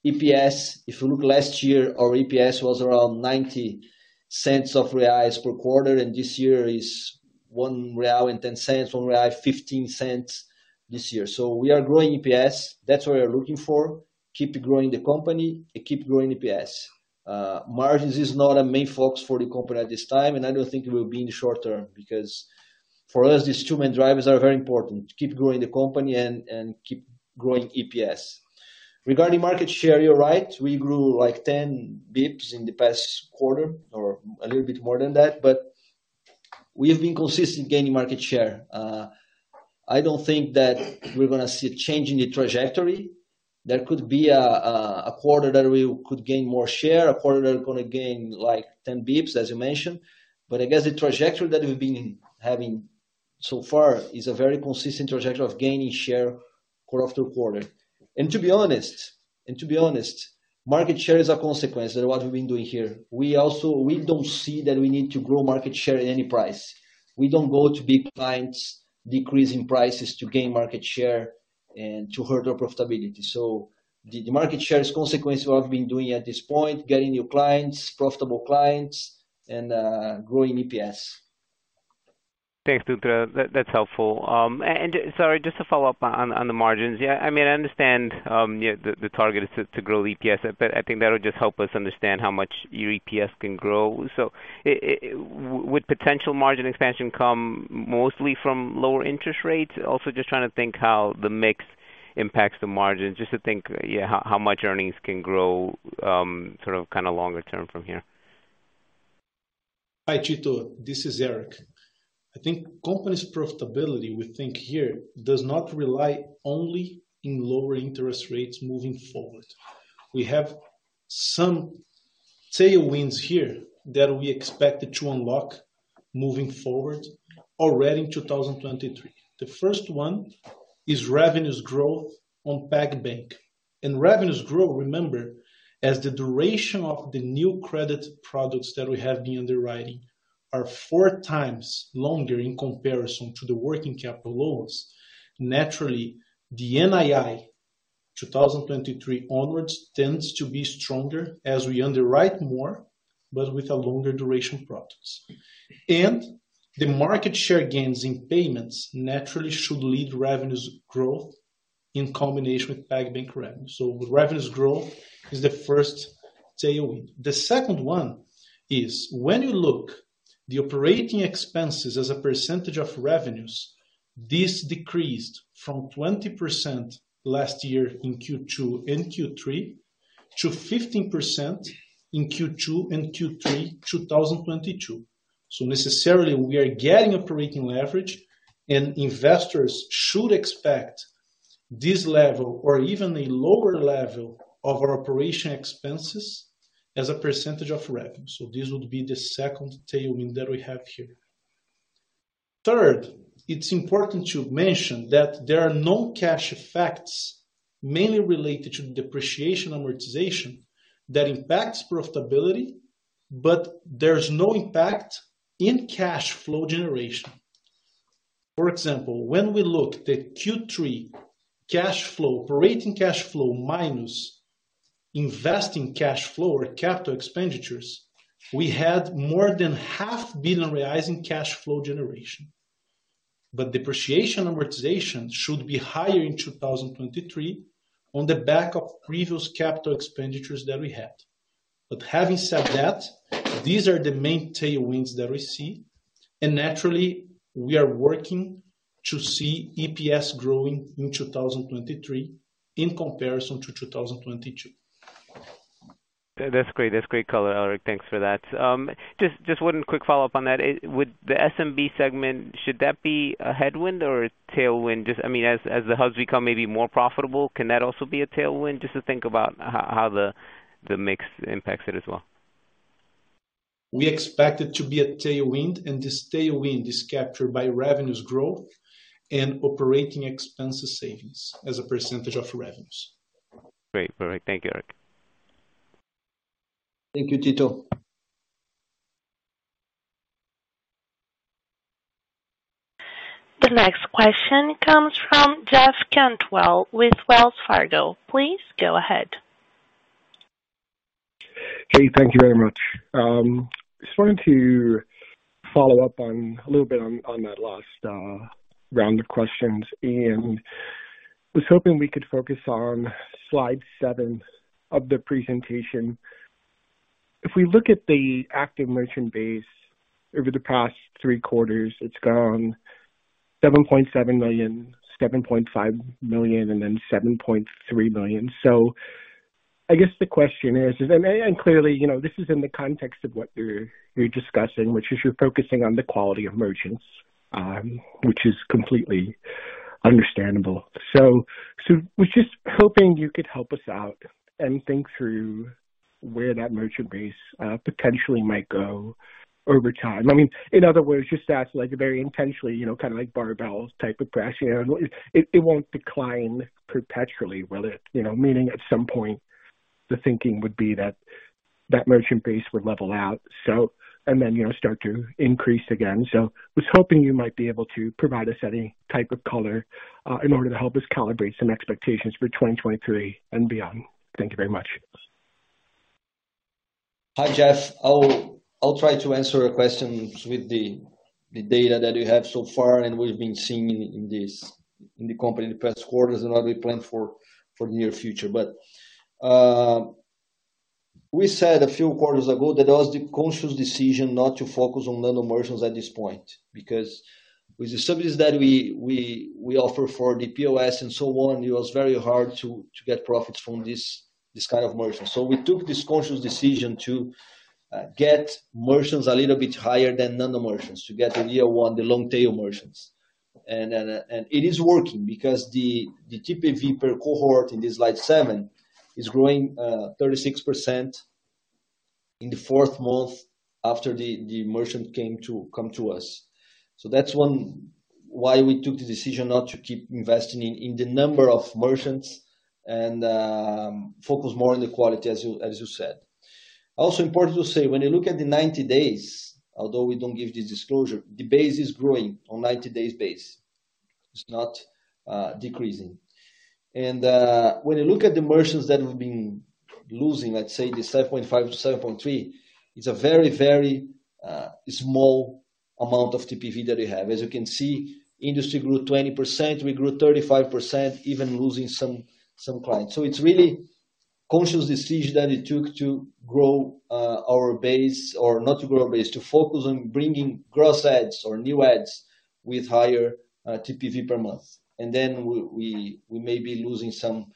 EPS. If you look last year, our EPS was around 0.90 per quarter, and this year is 1.10 real. 1.15 real this year. We are growing EPS. That's what we're looking for. Keep growing the company and keep growing EPS. Margins is not a main focus for the company at this time, and I don't think it will be in the short term because for us, these two main drivers are very important. To keep growing the company and keep growing EPS. Regarding market share, you're right, we grew like 10 BPS in the past quarter or a little bit more than that. We have been consistent gaining market share. I don't think that we're gonna see a change in the trajectory. There could be a quarter that we could gain more share, a quarter that we're gonna gain like 10 BPS, as you mentioned. I guess the trajectory that we've been having so far is a very consistent trajectory of gaining share quarter after quarter. To be honest, market share is a consequence of what we've been doing here. We also don't see that we need to grow market share at any price. We don't go to big clients decreasing prices to gain market share and to hurt our profitability. The market share is a consequence of what we've been doing at this point, getting new clients, profitable clients and growing EPS. Thanks, Artur. That's helpful. Sorry, just to follow up on the margins. I mean, I understand, yeah, the target is to grow EPS. I think that would just help us understand how much your EPS can grow. Would potential margin expansion come mostly from lower interest rates? Also just trying to think how the mix impacts the margins. Just to think how much earnings can grow, sort of kind of longer term from here. Hi, Tito. This is Eric. I think company's profitability, we think here, does not rely only in lower interest rates moving forward. We have some tailwinds here that we expected to unlock moving forward already in 2023. The first one is revenues growth on PagBank. Revenues growth, remember, as the duration of the new credit products that we have been underwriting are 4 times longer in comparison to the working capital loans. Naturally, the NII 2023 onwards tends to be stronger as we underwrite more, but with a longer duration products. The market share gains in payments naturally should lead revenues growth in combination with PagBank revenue. Revenues growth is the first tailwind. The second one is when you look the operating expenses as a percentage of revenues, this decreased from 20% last year in Q2 and Q3 to 15% in Q2 and Q3 2022. Necessarily we are getting operating leverage and investors should expect this level or even a lower level of our operating expenses as a percentage of revenue. This would be the second tailwind that we have here. Third, it's important to mention that there are no cash effects mainly related to the depreciation amortization that impacts profitability, but there's no impact in cash flow generation. For example, when we look at Q3 cash flow, operating cash flow minus investing cash flow or capital expenditures, we had more than half billion reais in cash flow generation. Depreciation amortization should be higher in 2023 on the back of previous capital expenditures that we had. Having said that, these are the main tailwinds that we see. Naturally, we are working to see EPS growing in 2023 in comparison to 2022. That's great. That's great color, Eric. Thanks for that. Just one quick follow-up on that. With the SMB segment, should that be a headwind or a tailwind? Just, I mean, as the Hubs become maybe more profitable, can that also be a tailwind? Just to think about how the mix impacts it as well. We expect it to be a tailwind. This tailwind is captured by revenues growth and operating expenses savings as a % of revenues. Great. Perfect. Thank you, Eric. Thank you, Tito. The next question comes from Jeff Cantwell with Wells Fargo. Please go ahead. Hey, thank you very much. Just wanted to follow up on a little bit on that last round of questions and was hoping we could focus on slide 7 of the presentation. If we look at the active merchant base over the past 3 quarters, it's gone 7.7 million, 7.5 million and then 7.3 million. I guess the question is, and clearly, you know, this is in the context of what you're discussing which is you're focusing on the quality of merchants, which is completely understandable. Was just hoping you could help us out and think through where that merchant base potentially might go over time. I mean, in other words, just to ask, like, very intentionally, you know, kind of like barbells type of pressure. It won't decline perpetually, will it? You know, meaning at some point the thinking would be that that merchant base would level out so and then, you know, start to increase again. I was hoping you might be able to provide us any type of color in order to help us calibrate some expectations for 2023 and beyond. Thank you very much. Hi, Jeff. I'll try to answer your questions with the data that we have so far and we've been seeing in the company the past quarters and what we plan for the near future. We said a few quarters ago that it was the conscious decision not to focus on nano-merchants at this point. Because with the services that we offer for the POS and so on, it was very hard to get profits from this kind of merchants. We took this conscious decision to get merchants a little bit higher than nano-merchants to get the year one, the long tail merchants. It is working because the TPV per cohort in this slide 7 is growing 36% in the fourth month after the merchant come to us. That's one why we took the decision not to keep investing in the number of merchants and focus more on the quality, as you said. Also important to say, when you look at the 90 days, although we don't give the disclosure, the base is growing on 90-days base. It's not decreasing. When you look at the merchants that we've been losing, let's say the 7.5-7.3, it's a very small amount of TPV that we have. As you can see, industry grew 20%, we grew 35%, even losing some clients. It's really conscious decision that we took to grow our base. Or not to grow our base, to focus on bringing gross adds or new adds with higher TPV per month. We may be losing some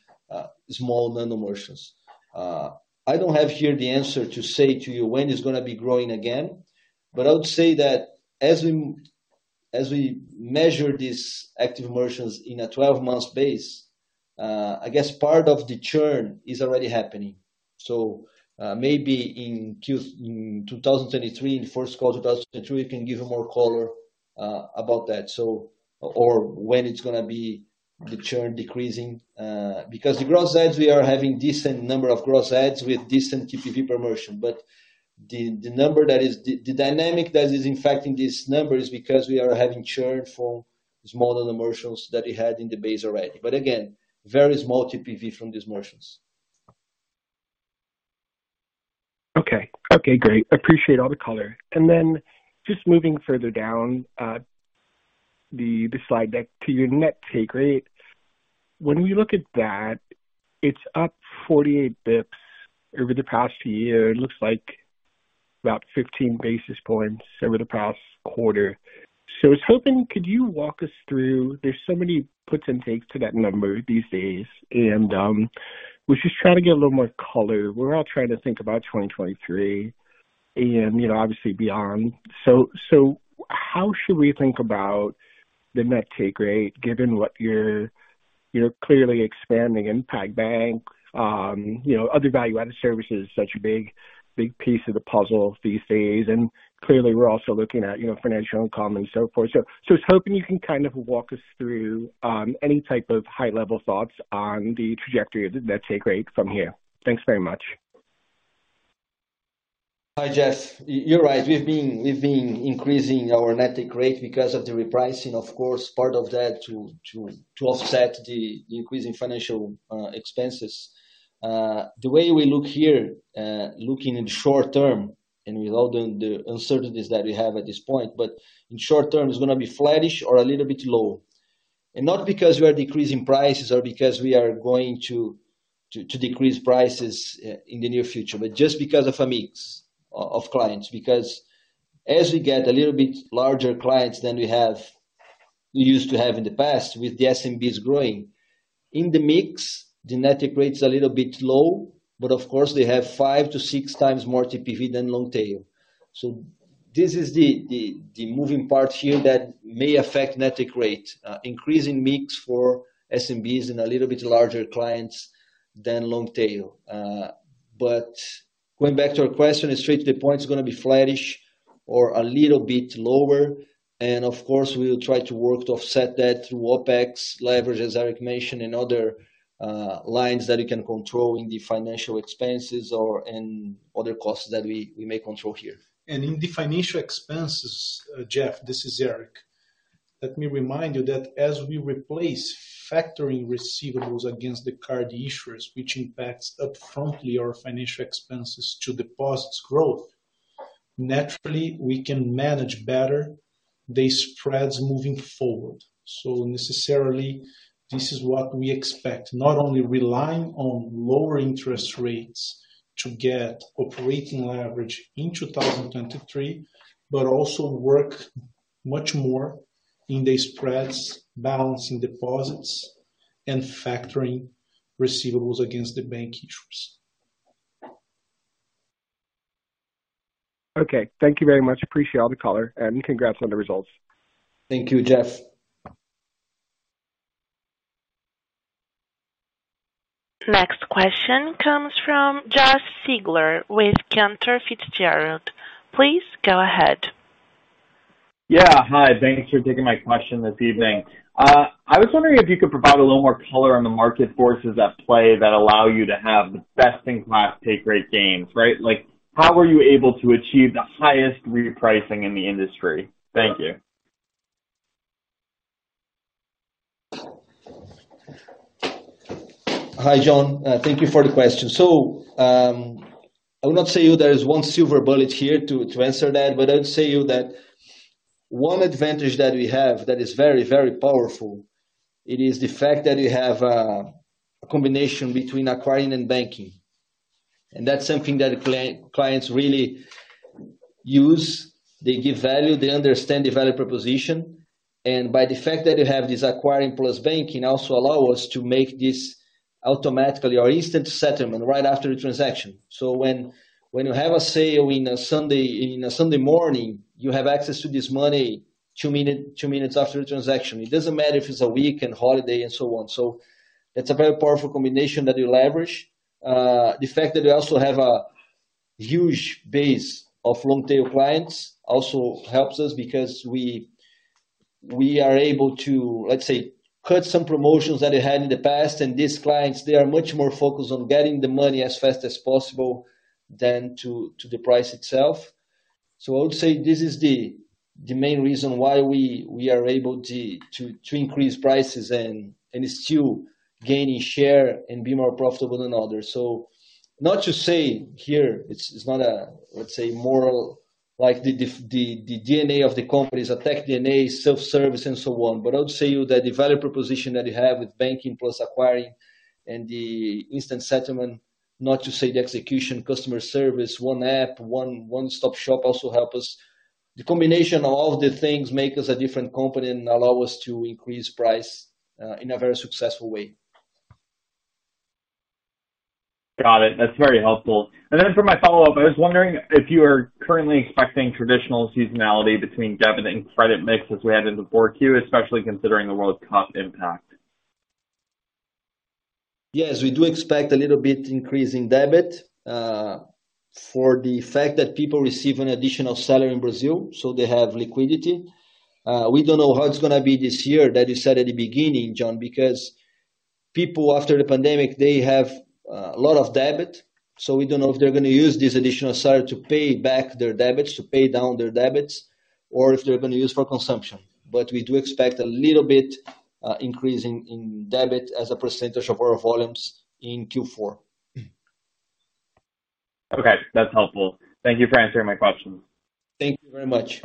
small nano-merchants. I don't have here the answer to say to you when it's going to be growing again, but I would say that as we measure these active merchants in a 12-month base, I guess part of the churn is already happening. Maybe in 2023, in the first quarter 2023, we can give you more color about that. Or when it's going to be the churn decreasing. Because the gross adds, we are having decent number of gross adds with decent TPV per merchant. The number that is the dynamic that is impacting this number is because we are having churn for smaller merchants that we had in the base already. Again, very small TPV from these merchants. Okay, great. Appreciate all the color. Then just moving further down the slide deck to your net take rate. When we look at that, it's up 48 basis points over the past year. It looks like about 15 basis points over the past quarter. I was hoping could you walk us through. There's so many puts and takes to that number these days and we're just trying to get a little more color. We're all trying to think about 2023 and, you know, obviously beyond. How should we think about the net take rate given what you're clearly expanding in PagBank, you know, other value-added services, such a big piece of the puzzle these days. Clearly we're also looking at, you know, financial income and so forth. I was hoping you can kind of walk us through any type of high-level thoughts on the trajectory of the net take rate from here. Thanks very much. Hi, Jeff. You're right. We've been increasing our net take rate because of the repricing, of course, part of that to offset the increasing financial expenses. The way we look here, looking in short term and with all the uncertainties that we have at this point. In short term, it's gonna be flattish or a little bit low. Not because we are decreasing prices or because we are going to decrease prices in the near future, but just because of a mix of clients. As we get a little bit larger clients than we used to have in the past with the SMBs growing, in the mix, the net take rate is a little bit low, but of course they have five to six times more TPV than long tail. This is the moving part here that may affect net take rate. Increasing mix for SMBs and a little bit larger clients than long tail. Going back to your question and straight to the point, it's gonna be flattish or a little bit lower. Of course, we will try to work to offset that through OpEx leverage, as Eric mentioned, and other lines that we can control in the financial expenses or in other costs that we may control here. In the financial expenses, Jeff, this is Eric. Let me remind you that as we replace factoring receivables against the card issuers, which impacts upfrontly our financial expenses to deposits growth, naturally we can manage better the spreads moving forward. Necessarily, this is what we expect, not only relying on lower interest rates to get operating leverage in 2023, but also work much more in the spreads, balancing deposits and factoring receivables against the bank issuers. Okay. Thank you very much. Appreciate all the color, and congrats on the results. Thank you, Jeff. Next question comes from Josh Siegler with Cantor Fitzgerald. Please go ahead. Yeah. Hi. Thanks for taking my question this evening. I was wondering if you could provide a little more color on the market forces at play that allow you to have the best-in-class take rate gains, right? Like, how were you able to achieve the highest repricing in the industry? Thank you. Hi, John. Thank you for the question. I will not say there is one silver bullet here to answer that, but I'll tell you that one advantage that we have that is very, very powerful, it is the fact that we have a combination between acquiring and banking. That's something that clients really use. They give value. They understand the value proposition. By the fact that we have this acquiring plus banking also allow us to make this automatically or instant settlement right after the transaction. When you have a sale in a Sunday, in a Sunday morning, you have access to this money 2 minutes after the transaction. It doesn't matter if it's a week and holiday and so on. It's a very powerful combination that we leverage. The fact that we also have a huge base of long-tail clients also helps us because we are able to, let's say, cut some promotions that we had in the past. These clients, they are much more focused on getting the money as fast as possible than to the price itself. I would say this is the main reason why we are able to increase prices and still gaining share and be more profitable than others. Not to say here, it's not a, let's say moral, like the DNA of the company is a tech DNA, self-service, and so on. I'll tell you that the value proposition that we have with banking plus acquiring and the instant settlement, not to say the execution customer service, one app, one-stop shop also help us. The combination of all of the things make us a different company and allow us to increase price in a very successful way. Got it. That's very helpful. Then for my follow-up, I was wondering if you are currently expecting traditional seasonality between debit and credit mix as we had in the four Q, especially considering the World Cup impact. Yes, we do expect a little bit increase in debit, for the fact that people receive an additional salary in Brazil, so they have liquidity. We don't know how it's gonna be this year. That is said at the beginning, John, because people after the pandemic, they have a lot of debit, so we don't know if they're gonna use this additional salary to pay back their debits, to pay down their debits or if they're gonna use for consumption. We do expect a little bit increase in debit as a % of our volumes in Q4. That's helpful. Thank you for answering my questions. Thank you very much.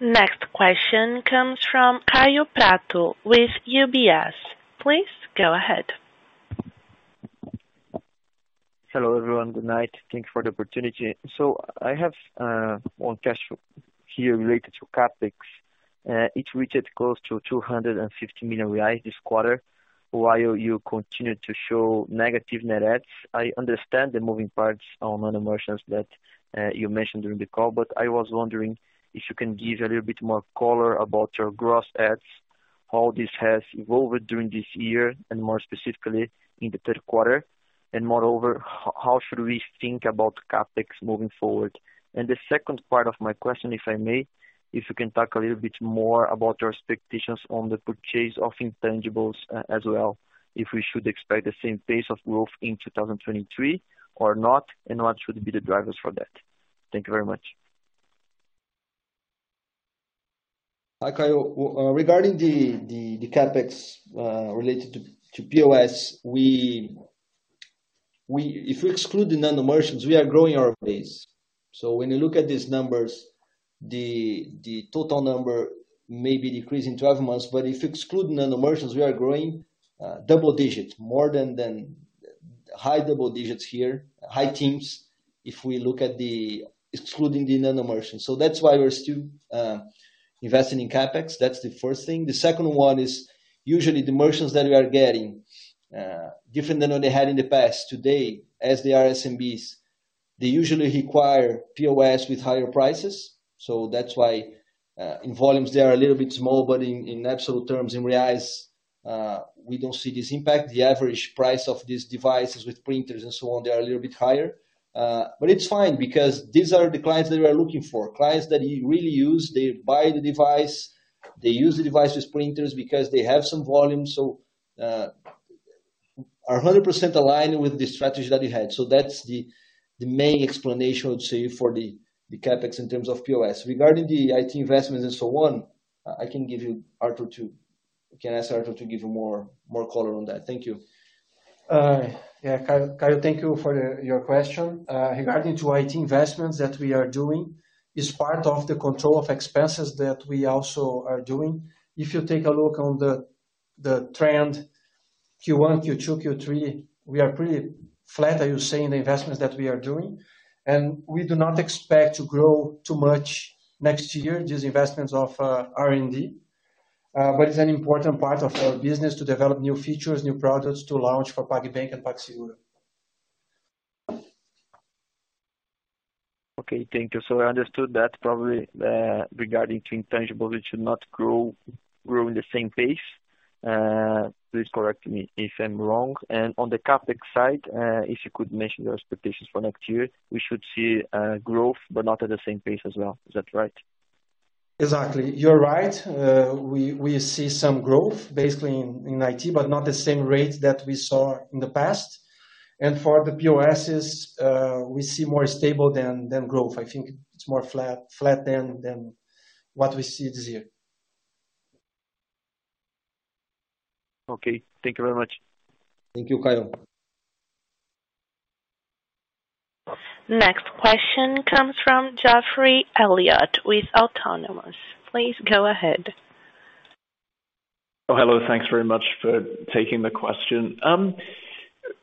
Next question comes from Kaio Prato with UBS. Please go ahead. Hello, everyone. Good night. Thank you for the opportunity. I have 1 question here related to CapEx. It reached close to 250 million reais this quarter, while you continue to show negative net adds. I understand the moving parts on nano-merchants that you mentioned during the call, but I was wondering if you can give a little bit more color about your gross adds, how this has evolved during this year and more specifically in the third quarter. Moreover, how should we think about CapEx moving forward? The second part of my question, if I may, if you can talk a little bit more about your expectations on the purchase of intangibles as well, if we should expect the same pace of growth in 2023 or not, and what should be the drivers for that? Thank you very much. Hi, Kaio. Regarding the CapEx related to POS, if we exclude the nano-merchants, we are growing our base. When you look at these numbers, the total number may be decreasing 12 months, but if you exclude nano-merchants, we are growing double digits more than high double digits here, high teens, if we look at excluding the nano-merchants. That's why we're still investing in CapEx. That's the first thing. The second one is usually the merchants that we are getting different than what they had in the past. Today, as they are SMBs, they usually require POS with higher prices. That's why in volumes they are a little bit small, but in absolute terms, in reais, we don't see this impact. The average price of these devices with printers and so on, they are a little bit higher. But it's fine because these are the clients that we are looking for, clients that really use. They buy the device, they use the device with printers because they have some volume. Are 100% aligned with the strategy that we had. That's the main explanation I would say for the CapEx in terms of POS. Regarding the IT investments and so on, I can ask Arthur to give you more color on that. Thank you. Yeah. Kaio, thank you for your question. Regarding to IT investments that we are doing is part of the control of expenses that we also are doing. If you take a look on the trend Q1, Q2, Q3, we are pretty flat, I would say, in the investments that we are doing. We do not expect to grow too much next year, these investments of R&D. It's an important part of our business to develop new features, new products to launch for PagBank and PagSeguro. Okay, thank you. I understood that probably, regarding to intangibles, it should not grow in the same pace. Please correct me if I'm wrong. On the CapEx side, if you could mention your expectations for next year, we should see, growth, but not at the same pace as well. Is that right? Exactly. You're right. We see some growth basically in IT, but not the same rate that we saw in the past. For the POSs, we see more stable than growth. I think it's more flat than what we see this year. Okay. Thank you very much. Thank you, Kaio. Next question comes from Geoffrey Elliott with Autonomous Research. Please go ahead. Hello. Thanks very much for taking the question.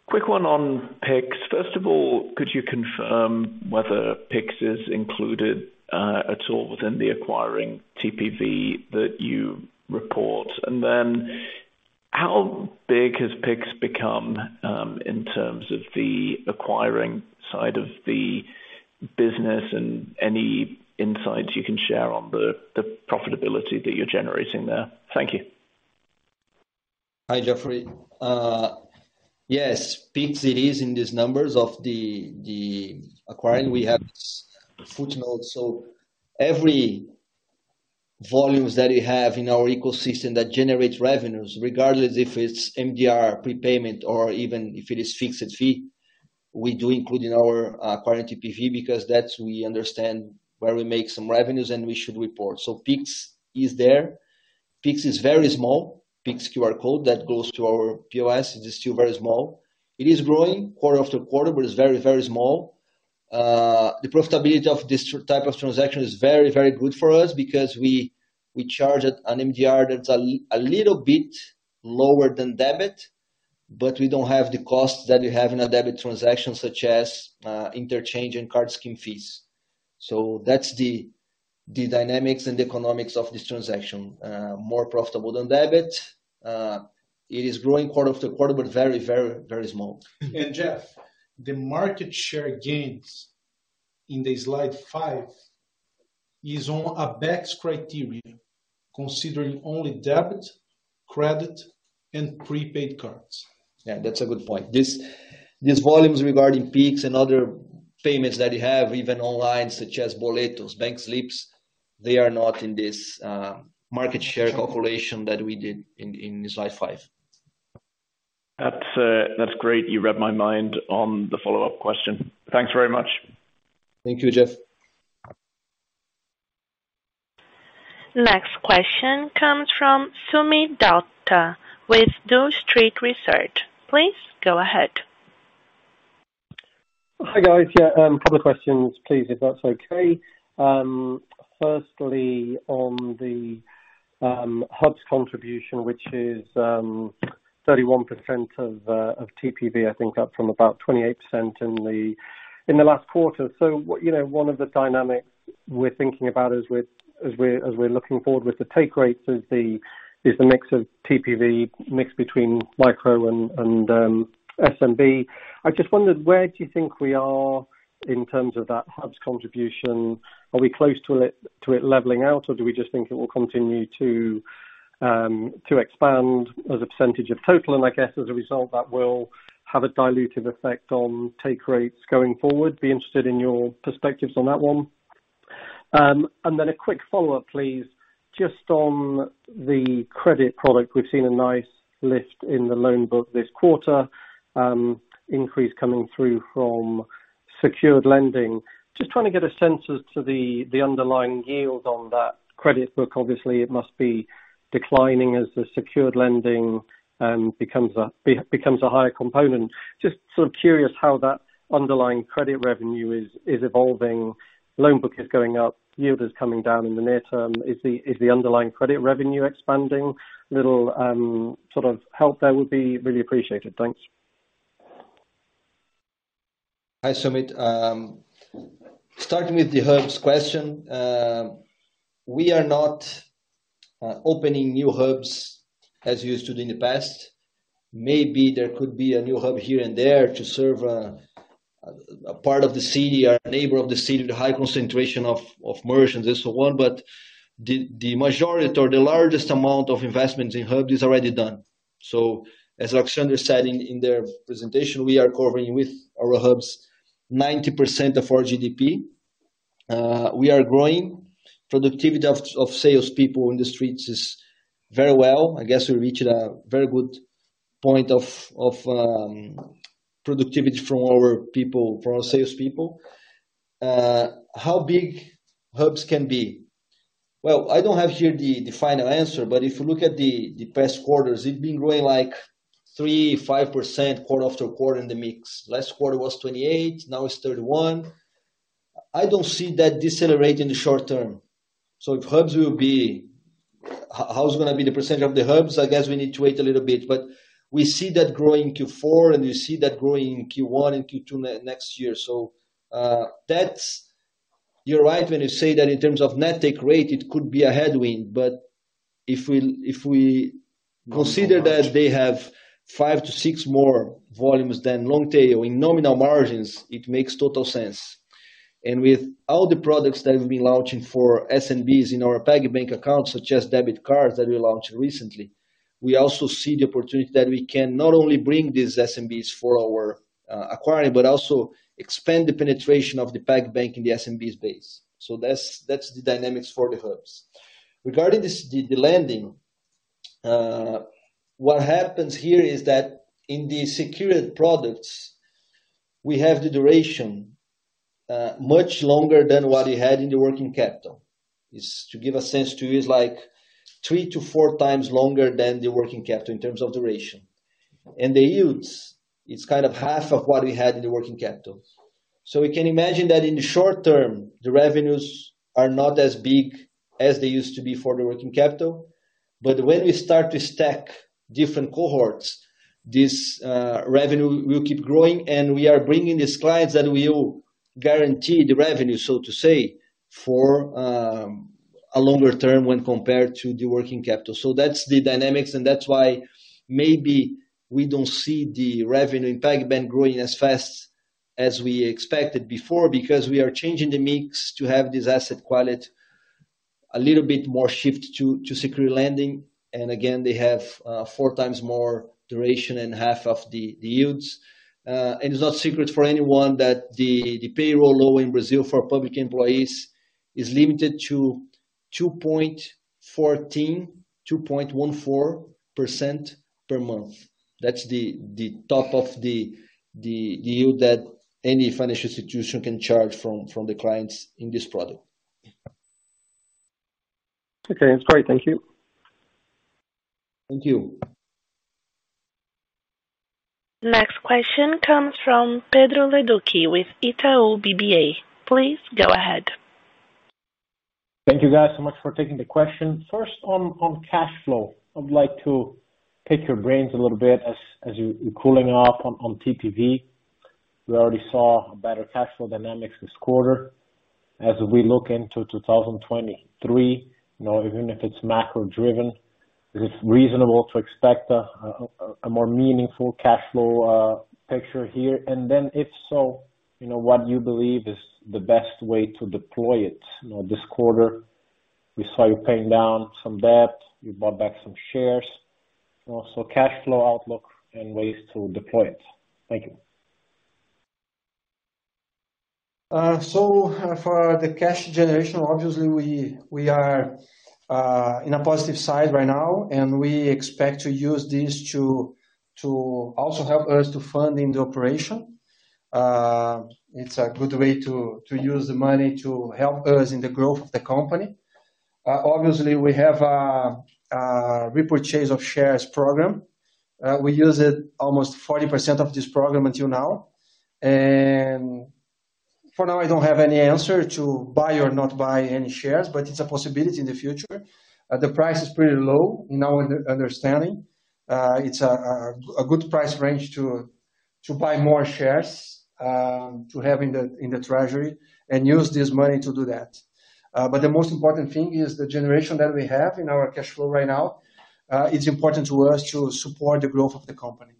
Quick one on Pix. First of all, could you confirm whether Pix is included at all within the acquiring TPV that you report? How big has Pix become in terms of the acquiring side of the business? Any insights you can share on the profitability that you're generating there? Thank you. Hi, Geoffrey. Yes, Pix it is in these numbers of the acquiring. We have footnote, every volumes that we have in our ecosystem that generates revenues, regardless if it's MDR, prepayment, or even if it is fixed fee, we do include in our acquiring TPV because that's we understand where we make some revenues, and we should report. Pix is there. Pix is very small. Pix QR code that goes to our POS is still very small. It is growing quarter after quarter, it's very, very small. The profitability of this type of transaction is very, very good for us because we charge it an MDR that's a little bit lower than debit, we don't have the costs that we have in a debit transaction, such as interchange and card scheme fees. That's the dynamics and the economics of this transaction. More profitable than debit. It is growing quarter after quarter, but very small. Jeff, the market share gains in the slide 5 is on a tax criteria considering only debit, credit, and prepaid cards. Yeah, that's a good point. These volumes regarding Pix and other payments that we have, even online, such as boletos, bank slips, they are not in this market share calculation that we did in slide 5. That's great. You read my mind on the follow-up question. Thanks very much. Thank you, Jeff. Next question comes from Soomit Datta with New Street Research. Please go ahead. Hi, guys. Yeah, couple of questions, please, if that's okay. Firstly, on the Hubs contribution, which is 31% of TPV, I think up from about 28% in the last quarter. You know, one of the dynamics we're thinking about as we're looking forward with the take rates is the mix of TPV mix between micro and SMB. I just wondered where do you think we are in terms of that Hubs contribution? Are we close to it leveling out, or do we just think it will continue to expand as a percentage of total? I guess as a result that will have a dilutive effect on take rates going forward. Be interested in your perspectives on that one. A quick follow-up, please. Just on the credit product. We've seen a nice lift in the loan book this quarter, increase coming through from secured lending. Just trying to get a sense as to the underlying yield on that credit book. Obviously, it must be declining as the secured lending becomes a higher component. Just sort of curious how that underlying credit revenue is evolving. Loan book is going up, yield is coming down in the near term. Is the underlying credit revenue expanding? Little sort of help there would be really appreciated. Thanks. Hi, Sumit. Starting with the Hubs question. We are not opening new Hubs as we used to do in the past. Maybe there could be a new Hub here and there to serve a part of the city or a neighbor of the city with a high concentration of merchants and so on. The majority or the largest amount of investments in Hub is already done. As Alexandre said in their presentation, we are covering with our Hubs 90% of our GDP. We are growing. Productivity of sales people in the streets is very well. I guess we reached a very good point of productivity from our people, from our sales people. How big Hubs can be? Well, I don't have here the final answer, but if you look at the past quarters, it's been growing like 3%, 5% quarter after quarter in the mix. Last quarter was 28%, now it's 31%. I don't see that decelerating in the short term. If hubs will be... how's it gonna be the percentage of the hubs? I guess we need to wait a little bit. We see that growing in Q4, and we see that growing in Q1 and Q2 next year. You're right when you say that in terms of net take rate, it could be a headwind. If we, if we consider that they have 5 to 6 more volumes than long tail in nominal margins, it makes total sense. With all the products that we've been launching for SMBs in our PagBank accounts, such as debit cards that we launched recently, we also see the opportunity that we can not only bring these SMBs for our acquiring, but also expand the penetration of the PagBank in the SMB base. That's the dynamics for the Hubs. Regarding this, the lending, what happens here is that in the secured products, we have the duration much longer than what we had in the working capital. Is to give a sense to you, it's like 3 to 4 times longer than the working capital in terms of duration. The yields, it's kind of half of what we had in the working capital. We can imagine that in the short term, the revenues are not as big as they used to be for the working capital. When we start to stack different cohorts, this revenue will keep growing, and we are bringing these clients that will guarantee the revenue, so to say, for a longer term when compared to the working capital. That's the dynamics, and that's why maybe we don't see the revenue in PagBank growing as fast as we expected before. We are changing the mix to have this asset quality a little bit more shift to secure lending. Again, they have four times more duration and half of the yields. It's not secret for anyone that the payroll law in Brazil for public employees is limited to 2.14% per month. That's the top of the yield that any financial institution can charge from the clients in this product. Okay, that's great. Thank you. Thank you. Next question comes from Pedro Leduc with Itaú BBA. Please go ahead. Thank you guys so much for taking the question. First, on cash flow. I would like to pick your brains a little bit as you're cooling off on TPV. We already saw a better cash flow dynamics this quarter. As we look into 2023, you know, even if it's macro driven, is it reasonable to expect a more meaningful cash flow picture here? If so, you know, what do you believe is the best way to deploy it? You know, this quarter we saw you paying down some debt, you bought back some shares. Cash flow outlook and ways to deploy it. Thank you. For the cash generation, obviously we are in a positive side right now, and we expect to use this to also help us to fund in the operation. It's a good way to use the money to help us in the growth of the company. Obviously we have a repurchase of shares program. We use it almost 40% of this program until now. For now, I don't have any answer to buy or not buy any shares, but it's a possibility in the future. The price is pretty low in our under-understanding. It's a good price range to buy more shares, to have in the treasury and use this money to do that. The most important thing is the generation that we have in our cash flow right now, is important to us to support the growth of the company.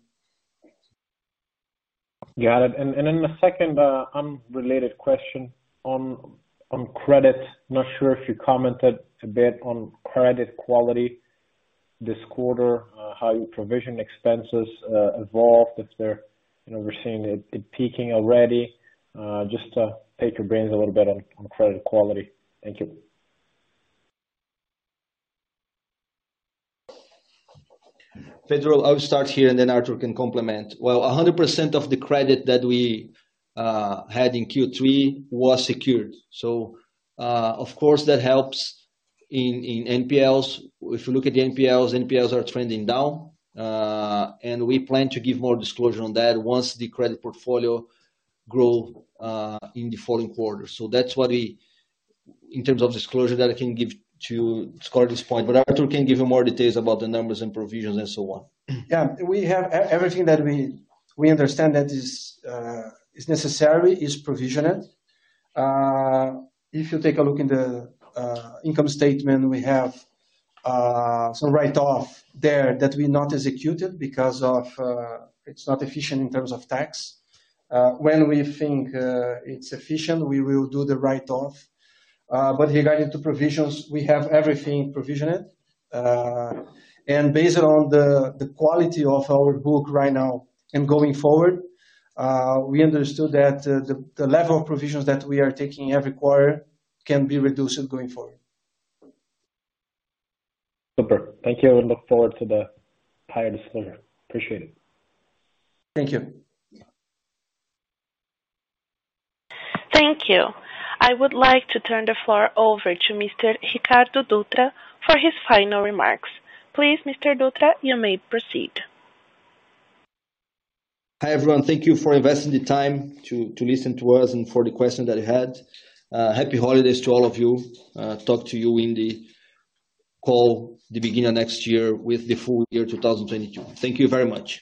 Got it. Then the second, unrelated question on credit. Not sure if you commented a bit on credit quality this quarter, how your provision expenses evolved, if they're, you know, we're seeing it peaking already. Just to pick your brains a little bit on credit quality. Thank you. Pedro, I'll start here, and then Artur can complement. Well, 100% of the credit that we had in Q3 was secured. Of course, that helps in NPLs. If you look at the NPLs are trending down. We plan to give more disclosure on that once the credit portfolio grow in the following quarters. That's what in terms of disclosure that I can give to you at this point, Artur can give you more details about the numbers and provisions and so on. Yeah. We have everything that we understand that is necessary is provisioned. If you take a look in the income statement, we have some write-off there that we not executed because it's not efficient in terms of tax. When we think it's efficient, we will do the write-off. Regarding to provisions, we have everything provisioned. Based on the quality of our book right now and going forward, we understood that the level of provisions that we are taking every quarter can be reduced going forward. Super. Thank you. I look forward to the higher disclosure. Appreciate it. Thank you. Thank you. I would like to turn the floor over to Mr. Ricardo Dutra for his final remarks. Please, Mr. Dutra, you may proceed. Hi, everyone. Thank you for investing the time to listen to us for the questions that you had. Happy holidays to all of you. Talk to you in the call the beginning of next year with the full year 2022. Thank you very much.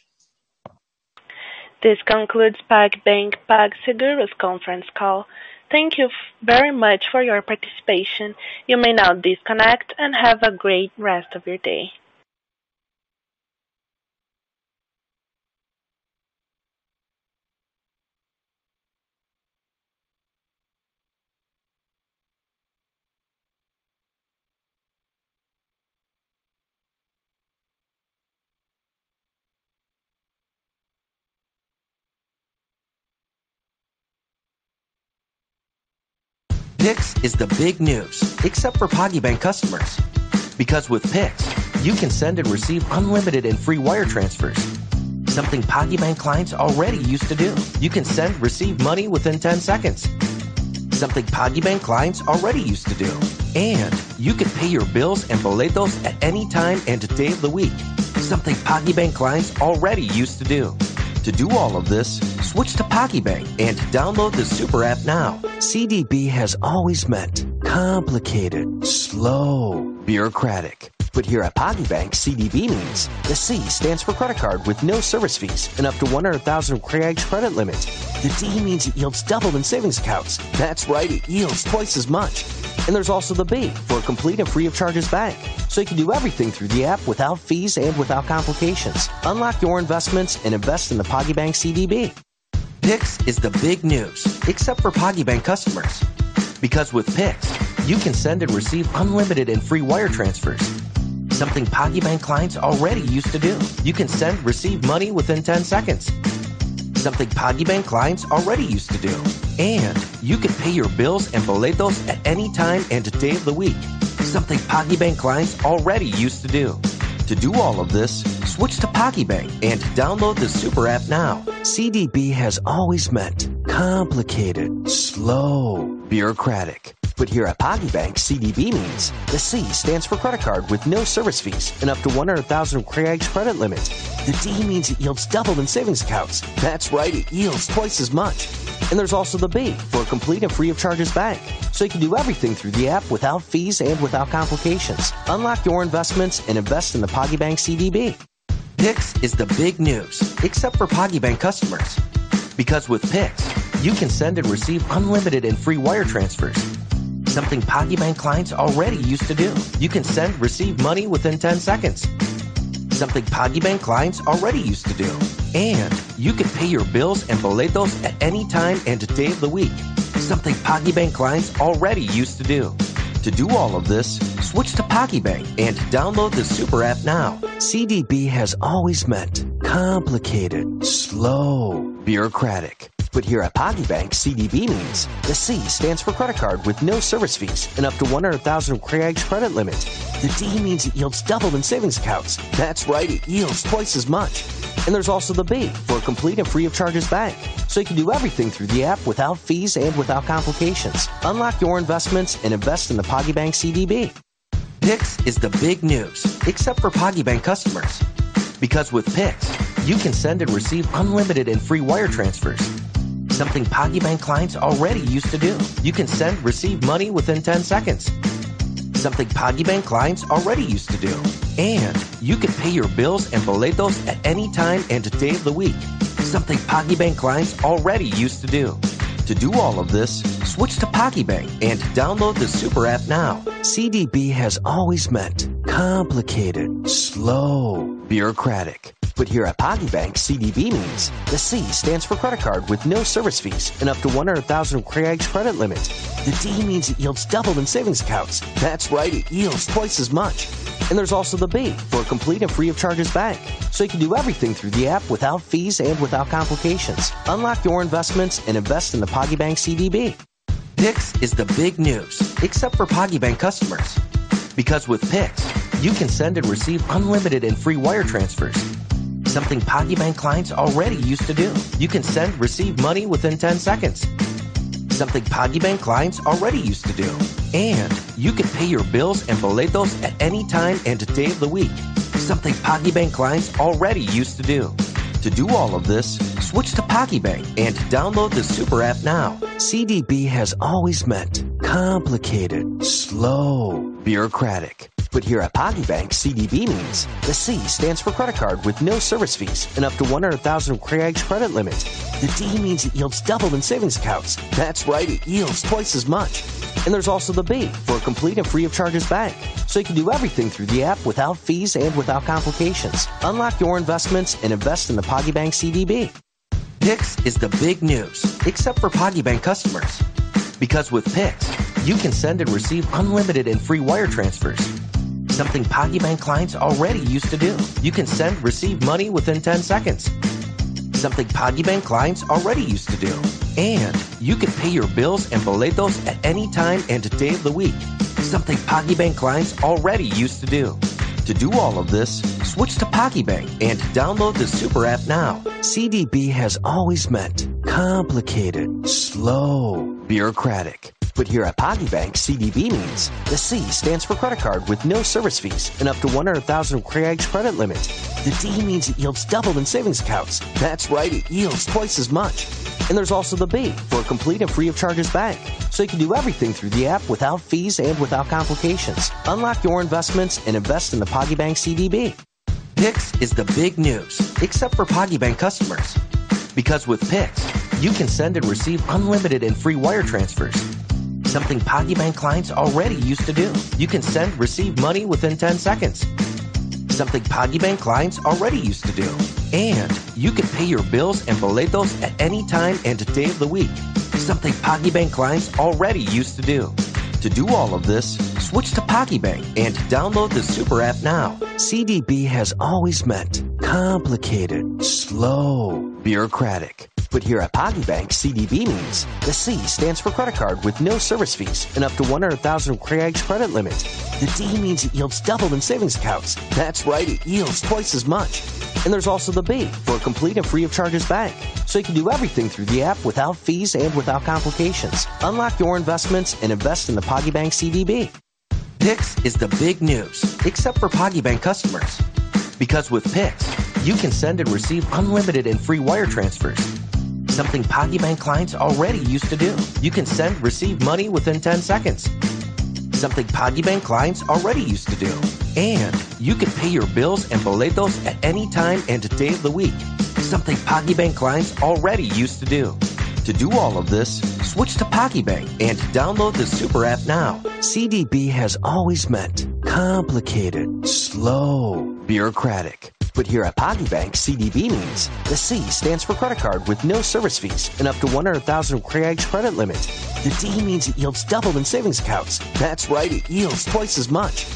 This concludes PagBank PagSeguro conference call. Thank you very much for your participation. You may now disconnect and have a great rest of your day. Pix is the big news, except for PagBank customers. With Pix, you can send and receive unlimited and free wire transfers, something PagBank clients already used to do. You can send, receive money within 10 seconds, something PagBank clients already used to do. You can pay your bills and boletos at any time and day of the week, something PagBank clients already used to do. To do all of this, switch to PagBank and download the super app now. CDB has always meant complicated, slow, bureaucratic. Here at PagBank, CDB means the C stands for credit card with no service fees and up to 100,000 credit limit. The D means it yields double in savings accounts. That's right, it yields twice as much. There's also the B for a complete and free of charges bank. You can do everything through the app without fees and without complications. Unlock your investments and invest in the PagBank CDB. Pix is the big news, except for PagBank customers. Because with Pix, you can send and receive unlimited and free wire transfers, something PagBank clients already used to do. You can send, receive money within 10 seconds, something PagBank clients already used to do. You can pay your bills and boletos at any time and day of the week, something PagBank clients already used to do. To do all of this, switch to PagBank and download the super app now. CDB has always meant complicated, slow, bureaucratic. Here at PagBank, CDB means the C stands for credit card with no service fees and up to 100,000 credit limit. The D means it yields double in savings accounts. That's right, it yields twice as much. There's also the B for a complete and free of charges bank. You can do everything through the app without fees and without complications. Unlock your investments and invest in the PagBank CDB. Pix is the big news, except for PagBank customers. With Pix, you can send and receive unlimited and free wire transfers, something PagBank clients already used to do. You can send, receive money within 10 seconds, something PagBank clients already used to do. You can pay your bills and boletos at any time and day of the week, something PagBank clients already used to do. To do all of this, switch to PagBank and download the super app now. CDB has always meant complicated, slow, bureaucratic. Here at PagBank, CDB means the C stands for credit card with no service fees and up to 100,000 credit limit. The D means it yields double in savings accounts. That's right, it yields twice as much. There's also the B for a complete and free of charges bank. You can do everything through the app without fees and without complications. Unlock your investments and invest in the PagBank CDB. Pix is the big news, except for PagBank customers. Because with Pix, you can send and receive unlimited and free wire transfers, something PagBank clients already used to do. You can send, receive money within 10 seconds, something PagBank clients already used to do. You can pay your bills and boletos at any time and day of the week, something PagBank clients already used to do. To do all of this, switch to PagBank and download the super app now. CDB has always meant complicated, slow, bureaucratic. Here at PagBank, CDB means the C stands for credit card with no service fees and up to 100,000 credit limit. The D means it yields double in savings accounts. That's right, it yields twice as much. There's also the B for a complete and free of charges bank. You can do everything through the app without fees and without complications. Unlock your investments and invest in the PagBank CDB. Pix is the big news, except for PagBank customers. With Pix, you can send and receive unlimited and free wire transfers, something PagBank clients already used to do. You can send, receive money within 10 seconds, something PagBank clients already used to do. You can pay your bills and boletos at any time and day of the week, something PagBank clients already used to do. To do all of this, switch to PagBank and download the super app now. CDB has always meant complicated, slow, bureaucratic. Here at PagBank, CDB means the C stands for credit card with no service fees and up to 100,000 credit limit. The D means it yields double in savings accounts. That's right, it yields twice as much. There's also the B for a complete and free of charges bank. You can do everything through the app without fees and without complications. Unlock your investments and invest in the PagBank CDB. Pix is the big news, except for PagBank customers. With Pix, you can send and receive unlimited and free wire transfers, something PagBank clients already used to do. You can send, receive money within 10 seconds, something PagBank clients already used to do. You can pay your bills and boletos at any time and day of the week, something PagBank clients already used to do. To do all of this, switch to PagBank and download the super app now. CDB has always meant complicated, slow, bureaucratic. Here at PagBank, CDB means the C stands for credit card with no service fees and up to 100,000 credit limit. The D means it yields double in savings accounts. That's right, it yields twice as much. There's also the B for a complete and free of charges bank. You can do everything through the app without fees and without complications. Unlock your investments and invest in the PagBank CDB. Pix is the big news, except for PagBank customers. With Pix, you can send and receive unlimited and free wire transfers, something PagBank clients already used to do. You can send, receive money within 10 seconds, something PagBank clients already used to do. You can pay your bills and boletos at any time and day of the week, something PagBank clients already used to do. To do all of this, switch to PagBank and download the super app now. CDB has always meant complicated, slow, bureaucratic. Here at PagBank, CDB means the C stands for credit card with no service fees and up to 100,000 reais credit limit. The D means it yields double in savings accounts. That's right, it yields twice as much. There's also the B for a complete and free of charges bank. You can do everything through the app without fees and without complications. Unlock your investments and invest in the PagBank CDB. Pix is the big news, except for PagBank customers. With Pix, you can send and receive unlimited and free wire transfers, something PagBank clients already used to do. You can send, receive money within 10 seconds, something PagBank clients already used to do. You can pay your bills and boletos at any time and day of the week, something PagBank clients already used to do. To do all of this, switch to PagBank and download the super app now. CDB has always meant complicated, slow, bureaucratic. Here at PagBank, CDB means the C stands for credit card with no service fees and up to 100,000 credit limit. The D means it yields double in savings accounts. That's right, it yields twice as much.